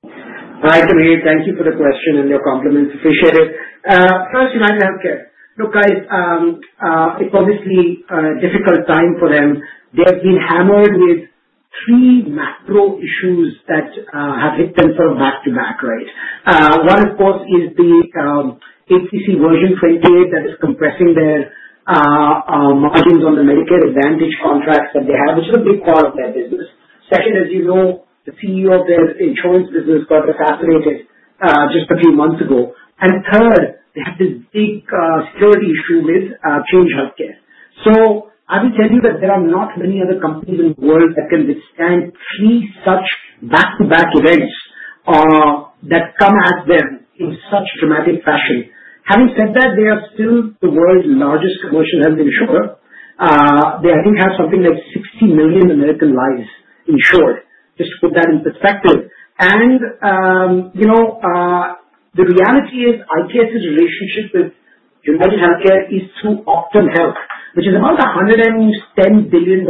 Right away, thank you for the question and your compliments. Appreciate it. First, UnitedHealthcare. Look, guys, it's obviously a difficult time for them. They have been hammered with three macro issues that have hit them sort of back to back, right? One, of course, is the HCC version 28 that is compressing their margins on the Medicare Advantage contracts that they have, which is a big part of their business. Second, as you know, the CEO of their insurance business got assassinated just a few months ago. And third, they have this big security issue with Change Healthcare. So I will tell you that there are not many other companies in the world that can withstand three such back-to-back events that come at them in such dramatic fashion. Having said that, they are still the world's largest commercial health insurer. They actually have something like 60 million American lives insured, just to put that in perspective. And the reality is IKS's relationship with UnitedHealthcare is through Optum Health, which is about a $110 billion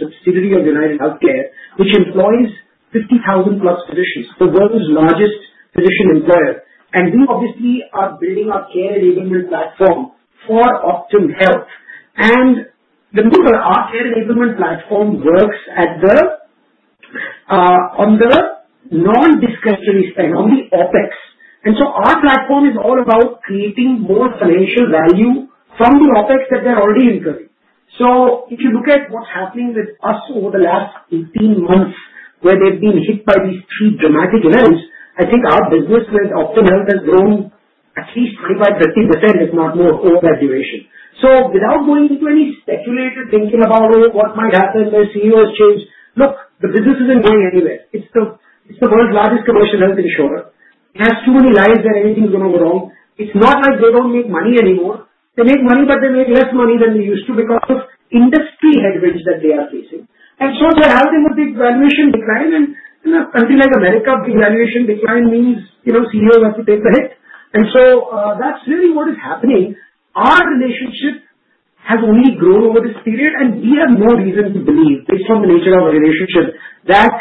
subsidiary of UnitedHealthcare, which employs 50,000+ physicians, the world's largest physician employer. And we obviously are building our care enablement platform for Optum Health. And remember, our care enablement platform works on the non-discretionary spend, on the OPEX. And so our platform is all about creating more financial value from the OPEX that they're already incurring. So if you look at what's happening with us over the last 18 months, where they've been hit by these three dramatic events, I think our business with Optum Health has grown at least 25%-30%, if not more, over that duration. So without going into any speculative thinking about, "Oh, what might happen? Their CEO has changed." Look, the business isn't going anywhere. It's the world's largest commercial health insurer. It has too many lives that anything's going to go wrong. It's not like they don't make money anymore. They make money, but they make less money than they used to because of industry headwinds that they are facing. And so they have a big valuation decline. And in a country like America, big valuation decline means CEOs have to take the hit. And so that's really what is happening. Our relationship has only grown over this period, and we have no reason to believe, based on the nature of our relationship, that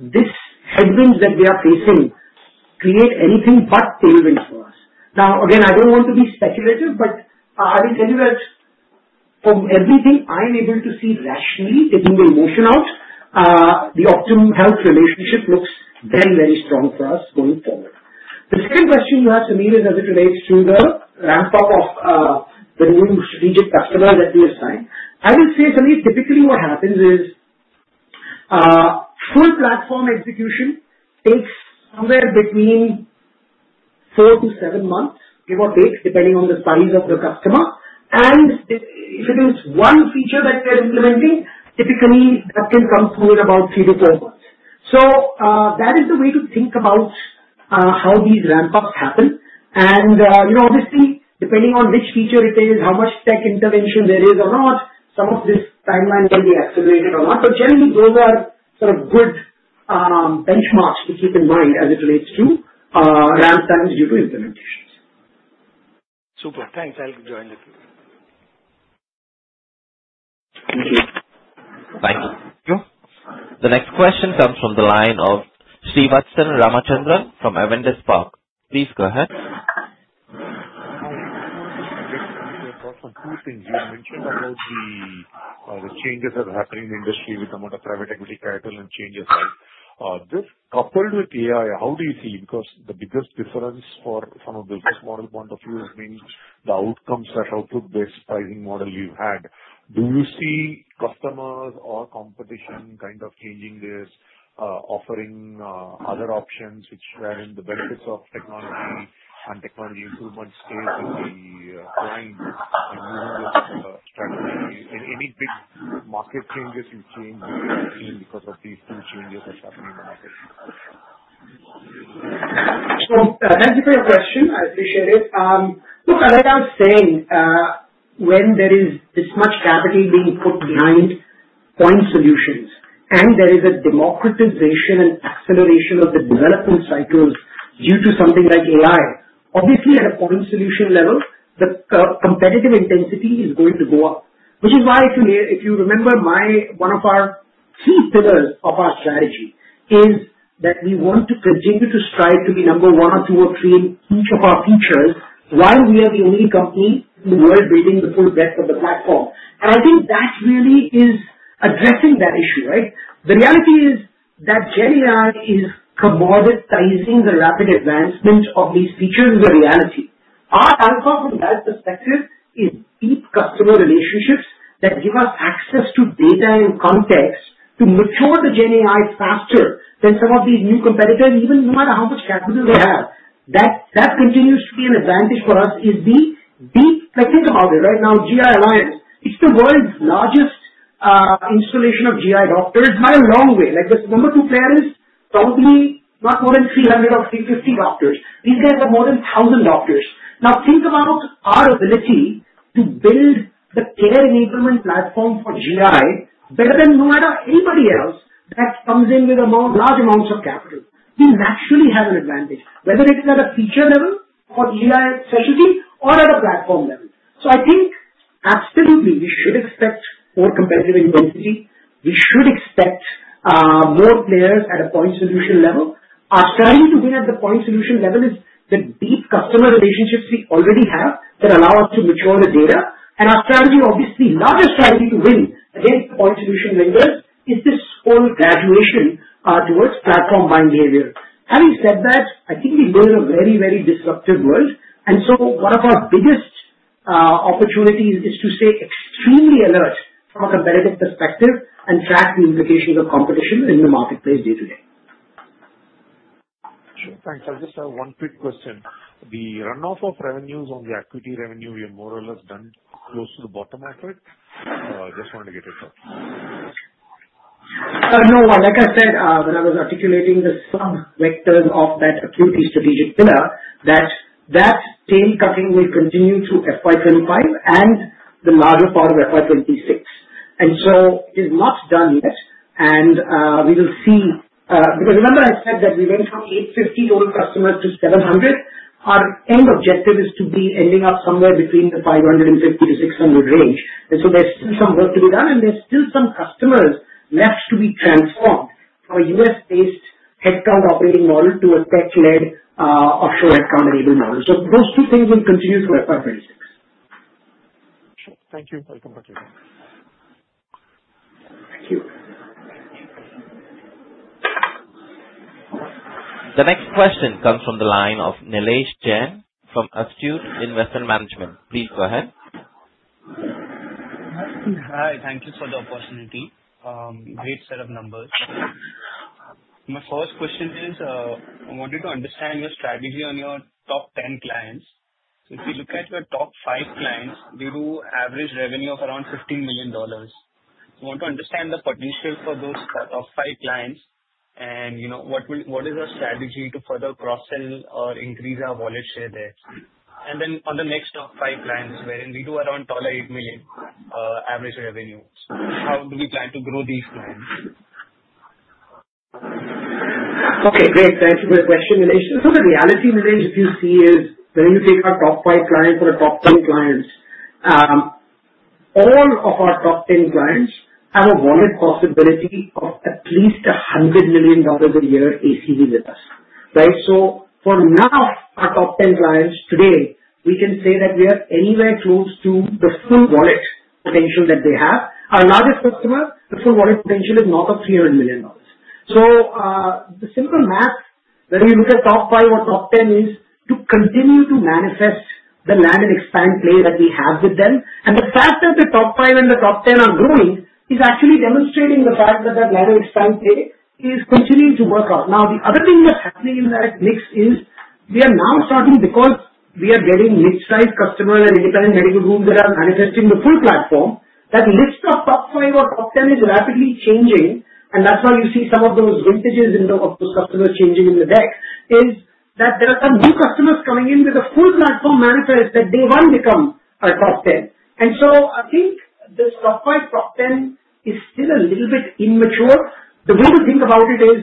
these headwinds that we are facing create anything but tailwinds for us. Now, again, I don't want to be speculative, but I will tell you that from everything I'm able to see rationally, taking the emotion out, the Optum Health relationship looks very, very strong for us going forward. The second question you have, Sameer, is as it relates to the ramp-up of the new strategic customers that we have signed. I will say, Sameer, typically what happens is full platform execution takes somewhere between four to seven months, give or take, depending on the size of the customer. And if it is one feature that they're implementing, typically that can come through in about three to four months. So that is the way to think about how these ramp-ups happen. And obviously, depending on which feature it is, how much tech intervention there is or not, some of this timeline will be accelerated or not. But generally, those are sort of good benchmarks to keep in mind as it relates to ramp-ups due to implementations. Super. Thanks. I'll rejoin the queue. Thank you. Thank you. The next question comes from the line of Srivathsan Ramachandran from Avendus Spark. Please go ahead. I wanted to just make a question across on two things. You mentioned about the changes that are happening in the industry with the amount of private equity capital and changes like this. Coupled with AI, how do you see? Because the biggest difference from a business model point of view has been the outcomes that output-based pricing model you've had. Do you see customers or competition kind of changing this, offering other options, which, again, the benefits of technology and technology improvements stay with the client and moving this strategy? Any big market changes you've seen because of these two changes that are happening in the market? So thank you for your question. I appreciate it. Look, like I was saying, when there is this much capital being put behind point solutions and there is a democratization and acceleration of the development cycles due to something like AI, obviously, at a point solution level, the competitive intensity is going to go up, which is why, if you remember, one of our key pillars of our strategy is that we want to continue to strive to be number one or two or three in each of our features while we are the only company in the world building the full breadth of the platform. And I think that really is addressing that issue, right? The reality is that GenAI is commoditizing the rapid advancement of these features is a reality. Our outcome from that perspective is deep customer relationships that give us access to data and context to mature the GenAI faster than some of these new competitors, even no matter how much capital they have. That continues to be an advantage for us is the deep, think about it, right? Now, GI Alliance, it's the world's largest installation of GI doctors. It's by a long way. The number two player is probably not more than 300 or 350 doctors. These guys are more than 1,000 doctors. Now, think about our ability to build the care enablement platform for GI better than no matter anybody else that comes in with large amounts of capital. We naturally have an advantage, whether it is at a feature level for the AI specialty or at a platform level. So I think, absolutely, we should expect more competitive intensity. We should expect more players at a point solution level. Our strategy to win at the point solution level is the deep customer relationships we already have that allow us to mature the data, and our strategy, obviously, the largest strategy to win against the point solution vendors is this whole graduation towards platform buying behavior. Having said that, I think we live in a very, very disruptive world, and so one of our biggest opportunities is to stay extremely alert from a competitive perspective and track the implications of competition in the marketplace day to day. Sure. Thanks. Just one quick question. The run-off of revenues on the AQuity revenue, we are more or less done close to the bottom of it. So I just wanted to get it done. No one. Like I said, when I was articulating the strong vectors of that AQuity strategic pillar, that tail cutting will continue through FY25 and the larger part of FY26. And so it is not done yet. And we will see because remember I said that we went from 850 total customers to 700. Our end objective is to be ending up somewhere between the 550-600 range. And so there's still some work to be done, and there's still some customers left to be transformed from a U.S.-based headcount operating model to a tech-led offshore headcount enabled model. So those two things will continue through FY26. Sure. Thank you. I'll come back to the queue. Thank you. The next question comes from the line of Nilesh Jain from Astute Investment Management. Please go ahead. Hi. Thank you for the opportunity. Great set of numbers. My first question is I wanted to understand your strategy on your top 10 clients. So if you look at your top five clients, they do average revenue of around $15 million. I want to understand the potential for those top five clients and what is our strategy to further cross-sell or increase our wallet share there. And then on the next top five clients, we do around $8 million average revenue. How do we plan to grow these clients? Okay. Great. Thank you for the question, Nilesh. So the reality, Nilesh, if you see is when you take our top five clients or our top 10 clients, all of our top 10 clients have a wallet possibility of at least $100 million a year ACV with us, right? So for now, our top 10 clients today, we can say that we are not anywhere close to the full wallet potential that they have. Our largest customer, the full wallet potential is north of $300 million. So the simple math, whether you look at top five or top 10, is to continue to manifest the land and expand play that we have with them. The fact that the top five and the top 10 are growing is actually demonstrating the fact that that land and expand play is continuing to work out. Now, the other thing that's happening in that mix is we are now starting, because we are getting mid-size customers and independent medical groups that are manifesting the full platform, that list of top five or top 10 is rapidly changing, and that's why you see some of those vintages of those customers changing in the deck, is that there are some new customers coming in with a full platform manifest that they want to become our top 10, and so I think this top five, top 10 is still a little bit immature. The way to think about it is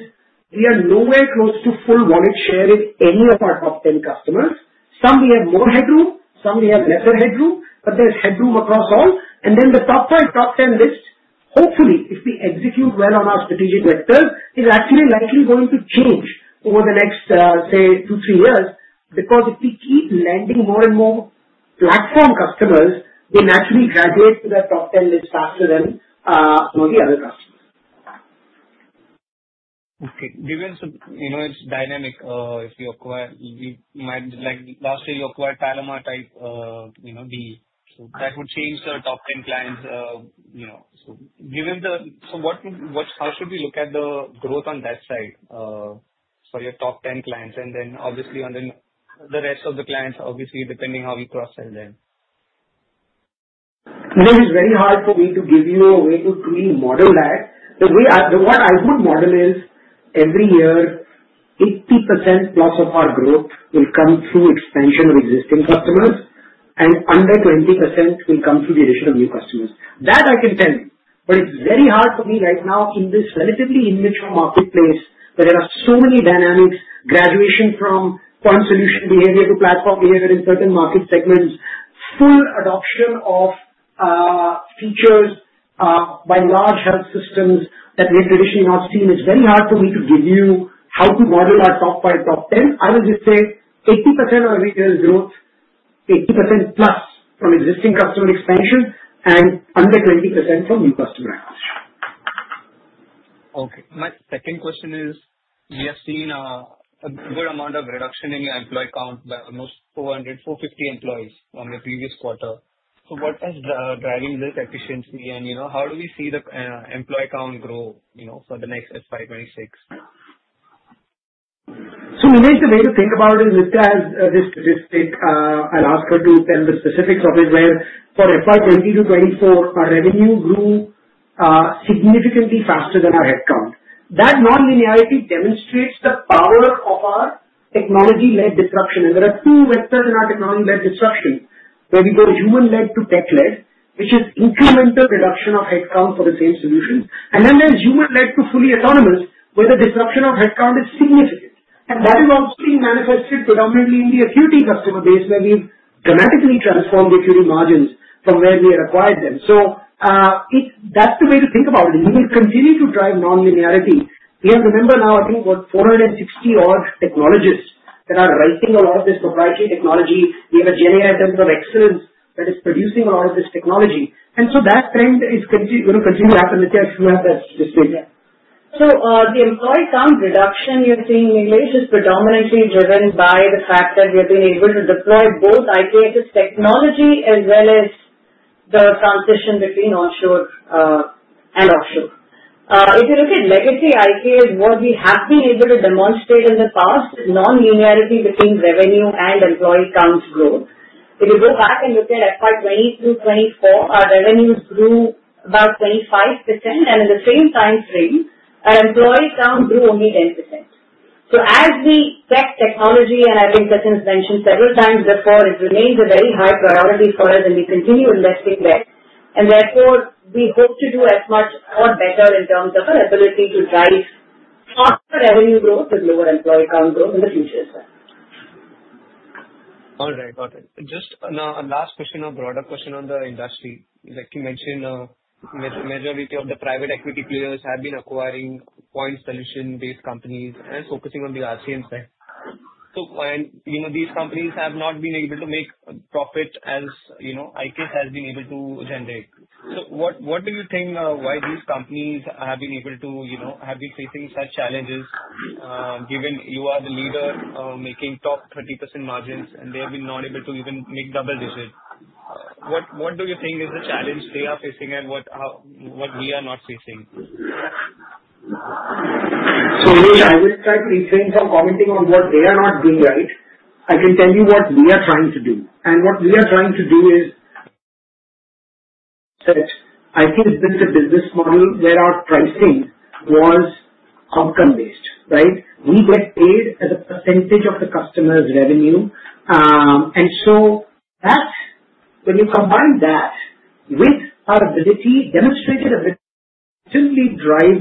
we are nowhere close to full wallet share with any of our top 10 customers. Some we have more headroom, some we have lesser headroom, but there's headroom across all. The top five, top 10 list, hopefully, if we execute well on our strategic vectors, is actually likely going to change over the next, say, two, three years, because if we keep landing more and more platform customers, they naturally graduate to that top 10 list faster than some of the other customers. Okay. Given it's dynamic, if you acquire, like last year, you acquired Palomar type deal. So that would change the top 10 clients. So given the, how should we look at the growth on that side for your top 10 clients? And then obviously, on the rest of the clients, obviously, depending how you cross-sell them. It is very hard for me to give you a way to truly model that. The way I would model is every year, 80%+ of our growth will come through expansion of existing customers, and under 20% will come through the addition of new customers. That I can tell you. But it's very hard for me right now in this relatively immature marketplace where there are so many dynamics, graduation from point solution behavior to platform behavior in certain market segments, full adoption of features by large health systems that we have traditionally not seen. It's very hard for me to give you how to model our top five, top 10. I will just say 80% of every year is growth, 80%+ from existing customer expansion, and under 20% from new customer acquisition. Okay. My second question is we have seen a good amount of reduction in your employee count by almost 400, 450 employees from the previous quarter. So what is driving this efficiency? And how do we see the employee count grow for the next FY26? So Nilesh, the way to think about it is, as this statistic, I'll ask her to tell the specifics of it, where for FY20 to FY24, our revenue grew significantly faster than our headcount. That non-linearity demonstrates the power of our technology-led disruption. And there are two vectors in our technology-led disruption, where we go human-led to tech-led, which is incremental reduction of headcount for the same solution. And then there's human-led to fully autonomous, where the disruption of headcount is significant. And that is also being manifested predominantly in the AQuity customer base, where we've dramatically transformed the AQuity margins from where we had acquired them. So that's the way to think about it. And we will continue to drive non-linearity. We have, remember now, I think, what, 460-odd technologists that are writing a lot of this proprietary technology. We have a GenAI in terms of excellence that is producing a lot of this technology, and so that trend is going to continue to happen, Nithya. The employee count reduction you're seeing, Nilesh, is predominantly driven by the fact that we have been able to deploy both IKS technology as well as the transition between onshore and offshore. If you look at legacy IKS, what we have been able to demonstrate in the past is non-linearity between revenue and employee count growth. If you go back and look at FY20 to FY24, our revenues grew about 25%. And in the same time frame, our employee count grew only 10%. So as we get technology, and I think Sachin has mentioned several times before, it remains a very high priority for us, and we continue investing there. And therefore, we hope to do as much or better in terms of our ability to drive faster revenue growth with lower employee count growth in the future as well. All right. Got it. Just now, a last question, a broader question on the industry. Like you mentioned, the majority of the private equity players have been acquiring point solution-based companies and focusing on the RCM side. So these companies have not been able to make profit as IKS has been able to generate. So what do you think, why these companies have been able to have been facing such challenges, given you are the leader making top 30% margins, and they have been not able to even make double digits? What do you think is the challenge they are facing and what we are not facing? So, Nilesh, I will try to refrain from commenting on what they are not doing right. I can tell you what we are trying to do. And what we are trying to do is that IKS built a business model where our pricing was outcome-based, right? We get paid as a percentage of the customer's revenue. And so when you combine that with our ability demonstrated efficiently to drive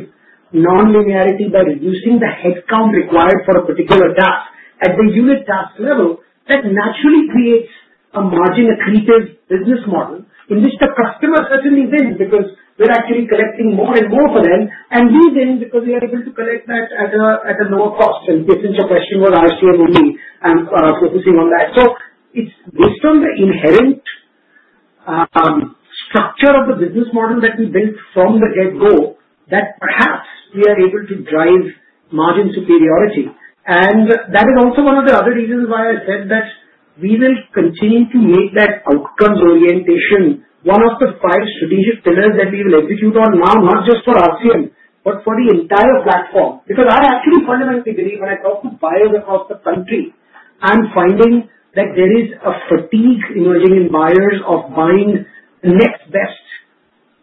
non-linearity by reducing the headcount required for a particular task at the unit task level, that naturally creates a margin-accretive business model in which the customer certainly wins because we're actually collecting more and more for them. And we win because we are able to collect that at a lower cost. And the essential question was RCM only, and focusing on that. So it's based on the inherent structure of the business model that we built from the get-go that perhaps we are able to drive margin superiority. And that is also one of the other reasons why I said that we will continue to make that outcomes orientation one of the five strategic pillars that we will execute on now, not just for RCM, but for the entire platform. Because I actually fundamentally believe when I talk to buyers across the country, I'm finding that there is a fatigue emerging in buyers of buying the next best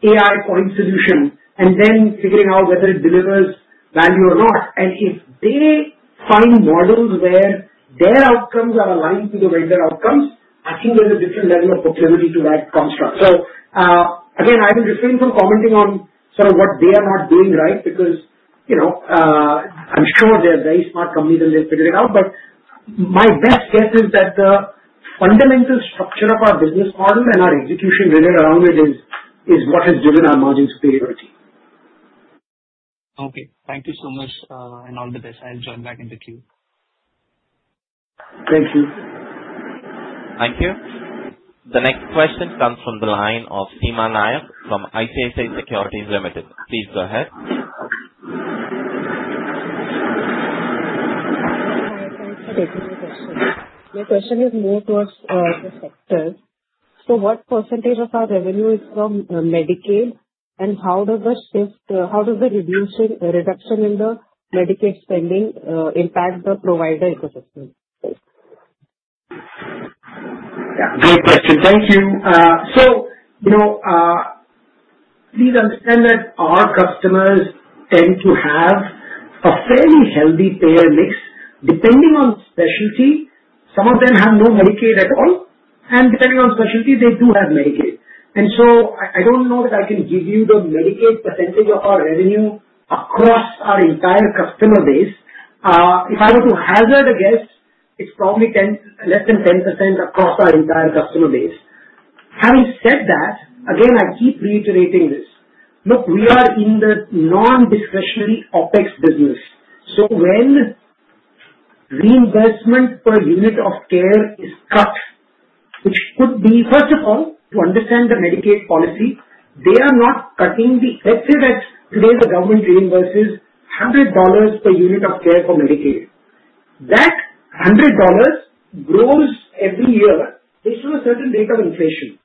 AI point solution and then figuring out whether it delivers value or not. And if they find models where their outcomes are aligned to the vendor outcomes, I think there's a different level of proclivity to that construct. So again, I will refrain from commenting on sort of what they are not doing right because I'm sure they're very smart companies and they've figured it out. But my best guess is that the fundamental structure of our business model and our execution really around it is what has driven our margin superiority. Okay. Thank you so much. And all the best. I'll join back in the queue. Thank you. Thank you. The next question comes from the line of Seema Nayak from ICICI Securities Limited. Please go ahead. Hi. Thanks for taking the question. My question is more towards the sector. So what percentage of our revenue is from Medicaid? And how does the reduction in the Medicaid spending impact the provider ecosystem? Yeah. Great question. Thank you. So please understand that our customers tend to have a fairly healthy payer mix. Depending on specialty, some of them have no Medicaid at all. And depending on specialty, they do have Medicaid. And so I don't know that I can give you the Medicaid percentage of our revenue across our entire customer base. If I were to hazard a guess, it's probably less than 10% across our entire customer base. Having said that, again, I keep reiterating this. Look, we are in the non-discretionary OpEx business. So when reimbursement per unit of care is cut, which could be, first of all, to understand the Medicaid policy, they are not cutting the. Let's say that today the government reimburses $100 per unit of care for Medicaid. That $100 grows every year based on a certain rate of inflation.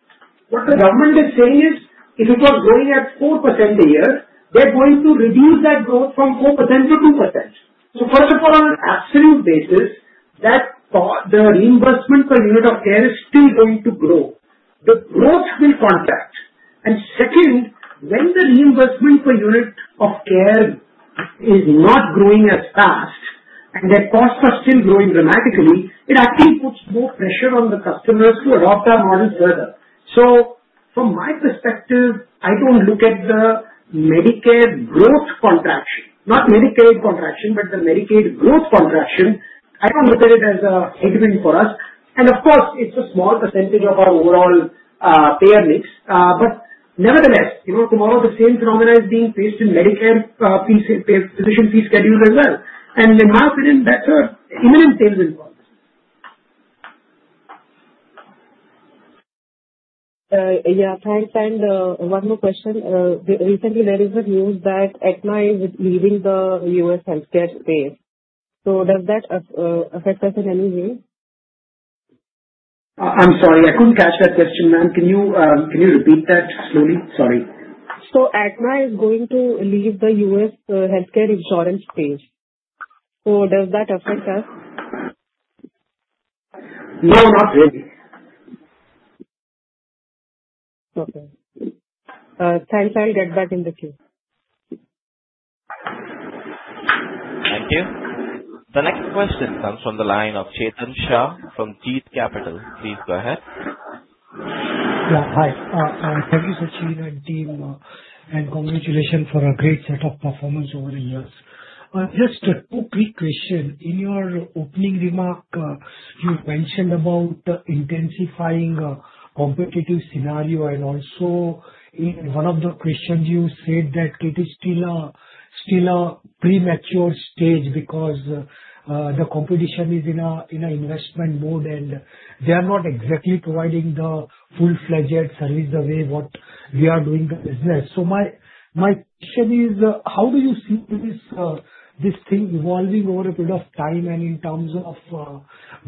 What the government is saying is if it was growing at 4% a year, they're going to reduce that growth from 4% to 2%. So first of all, on an absolute basis, the reimbursement per unit of care is still going to grow. The growth will contract. And second, when the reimbursement per unit of care is not growing as fast and their costs are still growing dramatically, it actually puts more pressure on the customers to adopt our model further. So from my perspective, I don't look at the Medicare growth contraction, not Medicaid contraction, but the Medicaid growth contraction. I don't look at it as a headwind for us. And of course, it's a small percentage of our overall payer mix. But nevertheless, furthermore, the same phenomenon is being faced in Medicare physician fee schedules as well. And in my opinion, that's an imminent tailwind in policy. Yeah. Thanks. And one more question. Recently, there is a news that Aetna is leaving the U.S. healthcare space. So does that affect us in any way? I'm sorry. I couldn't catch that question, ma'am. Can you repeat that slowly? Sorry. So Aetna is going to leave the U.S. healthcare insurance space. So does that affect us? No, not really. Okay. Thanks. I'll get back in the queue. Thank you. The next question comes from the line of Chetan Shah from Jeet Capital. Please go ahead. Yeah. Hi. Thank you, Sachin and team. And congratulations for a great set of performance over the years. Just two quick questions. In your opening remark, you mentioned about intensifying competitive scenario. And also, in one of the questions, you said that it is still a premature stage because the competition is in an investment mode, and they are not exactly providing the full-fledged service the way what we are doing the business. So my question is, how do you see this thing evolving over a period of time? And in terms of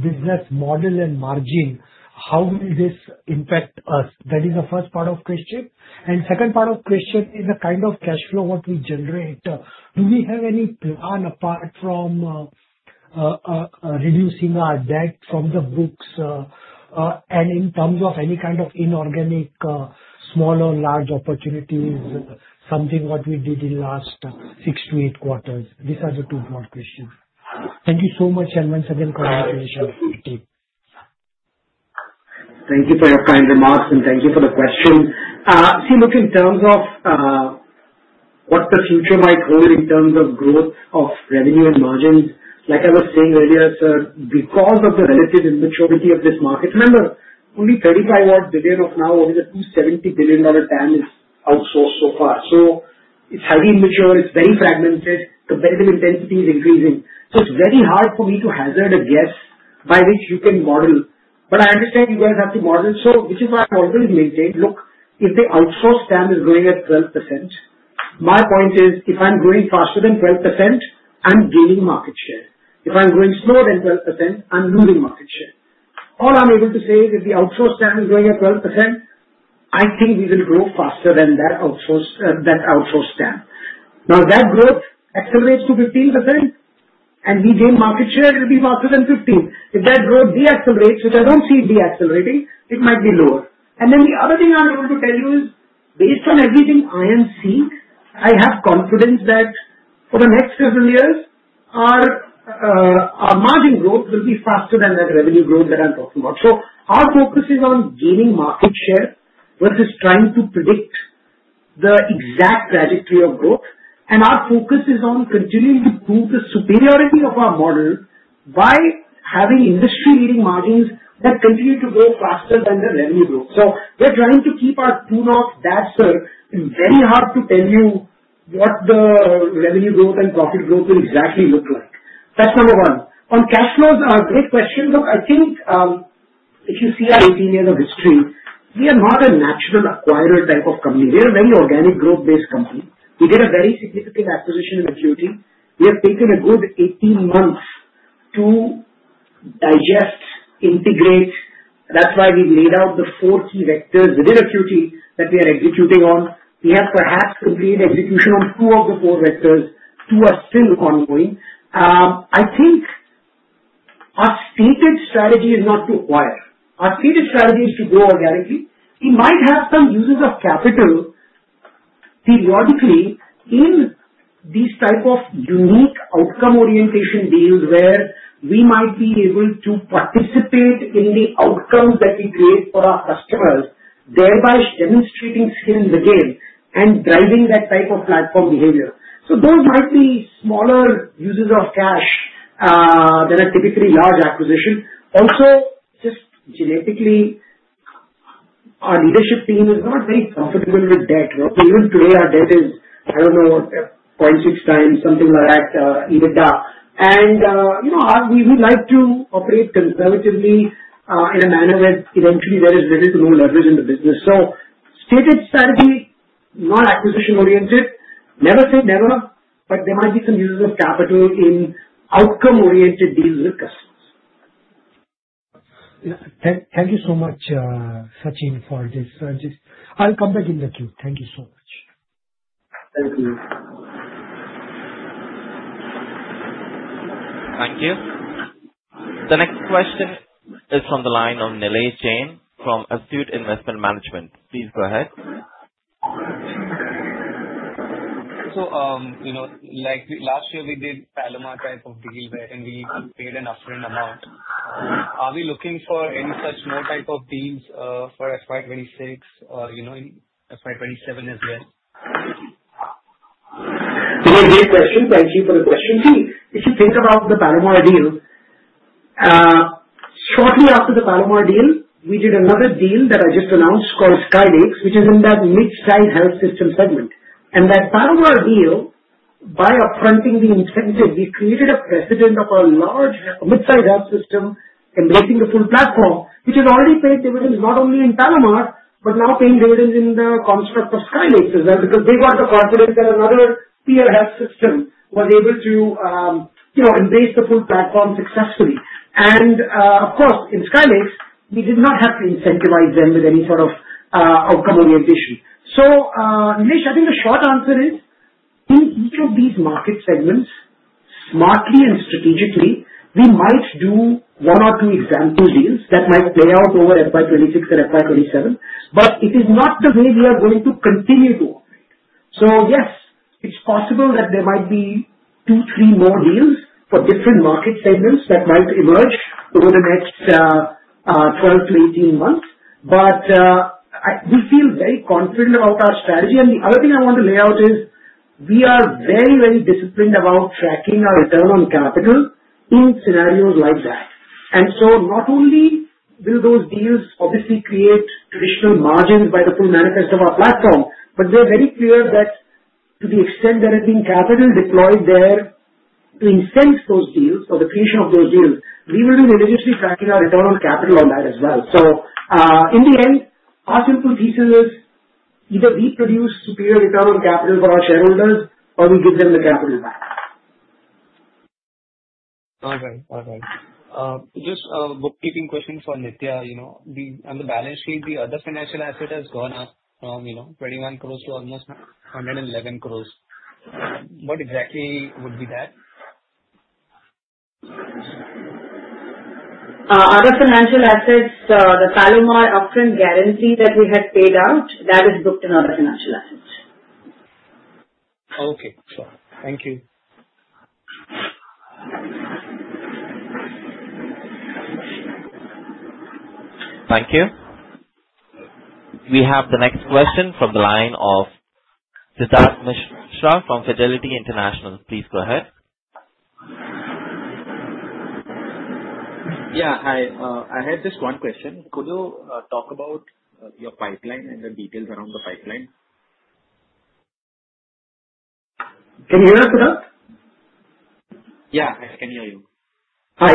business model and margin, how will this impact us? That is the first part of the question. And the second part of the question is the kind of cash flow what we generate. Do we have any plan apart from reducing our debt from the books? And in terms of any kind of inorganic small or large opportunities, something what we did in the last six to eight quarters? These are the two broad questions. Thank you so much. And once again, congratulations. Thank you. Thank you for your kind remarks. And thank you for the question. See, look, in terms of what the future might hold in terms of growth of revenue and margins, like I was saying earlier, sir, because of the relative immaturity of this market, remember, only $35-odd billion out of the $270 billion TAM is outsourced so far. So it's highly immature. It's very fragmented. Competitive intensity is increasing. So it's very hard for me to hazard a guess by which you can model. But I understand you guys have to model. So which is why I've always maintained, look, if the outsourced TAM is growing at 12%, my point is, if I'm growing faster than 12%, I'm gaining market share. If I'm growing slower than 12%, I'm losing market share. All I'm able to say is if the outsourced TAM is growing at 12%, I think we will grow faster than that outsourced TAM. Now, if that growth accelerates to 15% and we gain market share, it will be faster than 15%. If that growth decelerates, which I don't see decelerating, it might be lower, and then the other thing I'm able to tell you is, based on everything I am seeing, I have confidence that for the next several years, our margin growth will be faster than that revenue growth that I'm talking about. Our focus is on gaining market share versus trying to predict the exact trajectory of growth, and our focus is on continuing to prove the superiority of our model by having industry-leading margins that continue to grow faster than the revenue growth. We're trying to keep attuned to that, sir. It's very hard to tell you what the revenue growth and profit growth will exactly look like. That's number one. On cash flows, a great question. Look, I think if you see our 18 years of history, we are not a natural acquirer type of company. We are a very organic growth-based company. We did a very significant acquisition in AQuity. We have taken a good 18 months to digest, integrate. That's why we've laid out the four key vectors within AQuity that we are executing on. We have perhaps completed execution on two of the four vectors. Two are still ongoing. I think our stated strategy is not to acquire. Our stated strategy is to grow organically. We might have some uses of capital periodically in these type of unique outcome-oriented deals where we might be able to participate in the outcomes that we create for our customers, thereby demonstrating skill in the game and driving that type of platform behavior. So those might be smaller uses of cash than a typically large acquisition. Also, just innately, our leadership team is not very comfortable with debt. Even today, our debt is, I don't know, 0.6x, something like that, EBITDA. And we like to operate conservatively in a manner where eventually there is little to no leverage in the business. So stated strategy, not acquisition-oriented. Never say never, but there might be some uses of capital in outcome-oriented deals with customers. Thank you so much, Sachin, for this. I'll come back in the queue. Thank you so much. Thank you. Thank you. The next question is from the line of Nilesh Jain from Astute Investment Management. Please go ahead. So last year, we did Palomar type of deal where we paid an upfront amount. Are we looking for any such more type of deals for FY26 or FY27 as well? Great question. Thank you for the question. See, if you think about the Palomar deal, shortly after the Palomar deal, we did another deal that I just announced called Sky Lakes, which is in that mid-size health system segment. And that Palomar deal, by upfronting the incentive, we created a precedent of a large mid-size health system embracing the full platform, which has already paid dividends not only in Palomar, but now paying dividends in the context of Sky Lakes as well because they got the confidence that another peer health system was able to embrace the full platform successfully. And of course, in Sky Lakes, we did not have to incentivize them with any sort of outcome orientation. Nilesh, I think the short answer is, in each of these market segments, smartly and strategically, we might do one or two example deals that might play out over FY26 and FY27. But it is not the way we are going to continue to operate. Yes, it's possible that there might be two, three more deals for different market segments that might emerge over the next 12 to 18 months. But we feel very confident about our strategy. And the other thing I want to lay out is we are very, very disciplined about tracking our return on capital in scenarios like that. And so not only will those deals obviously create traditional margins by the full manifest of our platform, but we're very clear that to the extent there has been capital deployed there to incent those deals or the creation of those deals, we will be religiously tracking our return on capital on that as well. So in the end, our simple thesis is either we produce superior return on capital for our shareholders or we give them the capital back. All right. All right. Just a bookkeeping question for Nithya. On the balance sheet, the other financial asset has gone up from 21 crores to almost 111 crores. What exactly would be that? Other financial assets, the Palomar upfront guarantee that we had paid out. That is booked in other financial assets. Okay. Thank you. Thank you. We have the next question from the line of Siddharth Misra from Fidelity International. Please go ahead. Yeah. Hi. I had just one question. Could you talk about your pipeline and the details around the pipeline? Can you hear us, Siddharth? Yeah. I can hear you. Hi.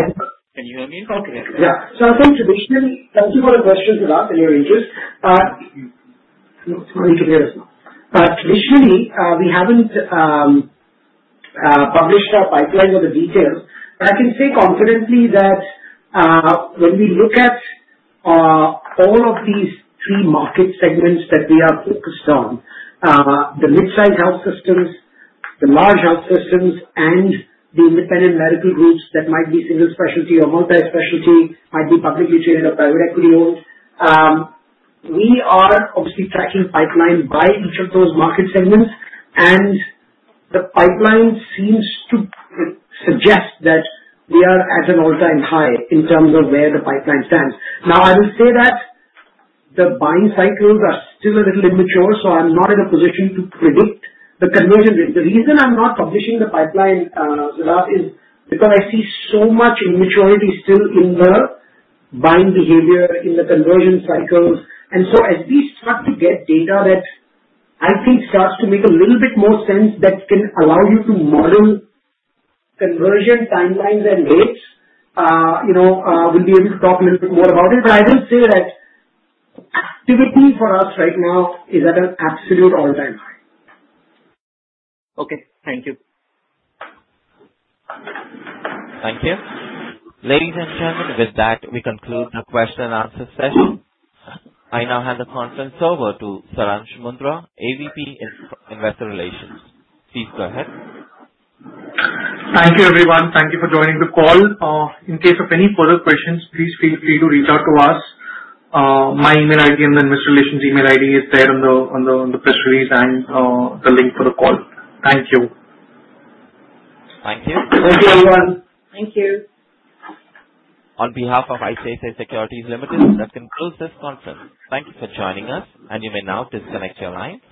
Can you hear me? Okay. Yeah. So, I think traditionally, thank you for the question, Siddharth, and your interest. Sorry, you can hear us now. Traditionally, we haven't published our pipeline or the details. But I can say confidently that when we look at all of these three market segments that we are focused on, the mid-size health systems, the large health systems, and the independent medical groups that might be single specialty or multi-specialty, might be publicly traded or private equity owned, we are obviously tracking pipeline by each of those market segments. And the pipeline seems to suggest that we are at an all-time high in terms of where the pipeline stands. Now, I will say that the buying cycles are still a little immature, so I'm not in a position to predict the conversion rate. The reason I'm not publishing the pipeline, Siddharth, is because I see so much immaturity still in the buying behavior, in the conversion cycles, and so as we start to get data that I think starts to make a little bit more sense that can allow you to model conversion timelines and rates, we'll be able to talk a little bit more about it, but I will say that activity for us right now is at an absolute all-time high. Okay. Thank you. Thank you. Ladies and gentlemen, with that, we conclude the question and answer session. I now hand the conference over to Saransh Mundra, AVP Investor Relations. Please go ahead. Thank you, everyone. Thank you for joining the call. In case of any further questions, please feel free to reach out to us. My email ID and the investor relations email ID is there on the press release and the link for the call. Thank you. Thank you. Thank you, everyone. Thank you. On behalf of ICICI Securities Limited, that concludes this conference. Thank you for joining us, and you may now disconnect your line.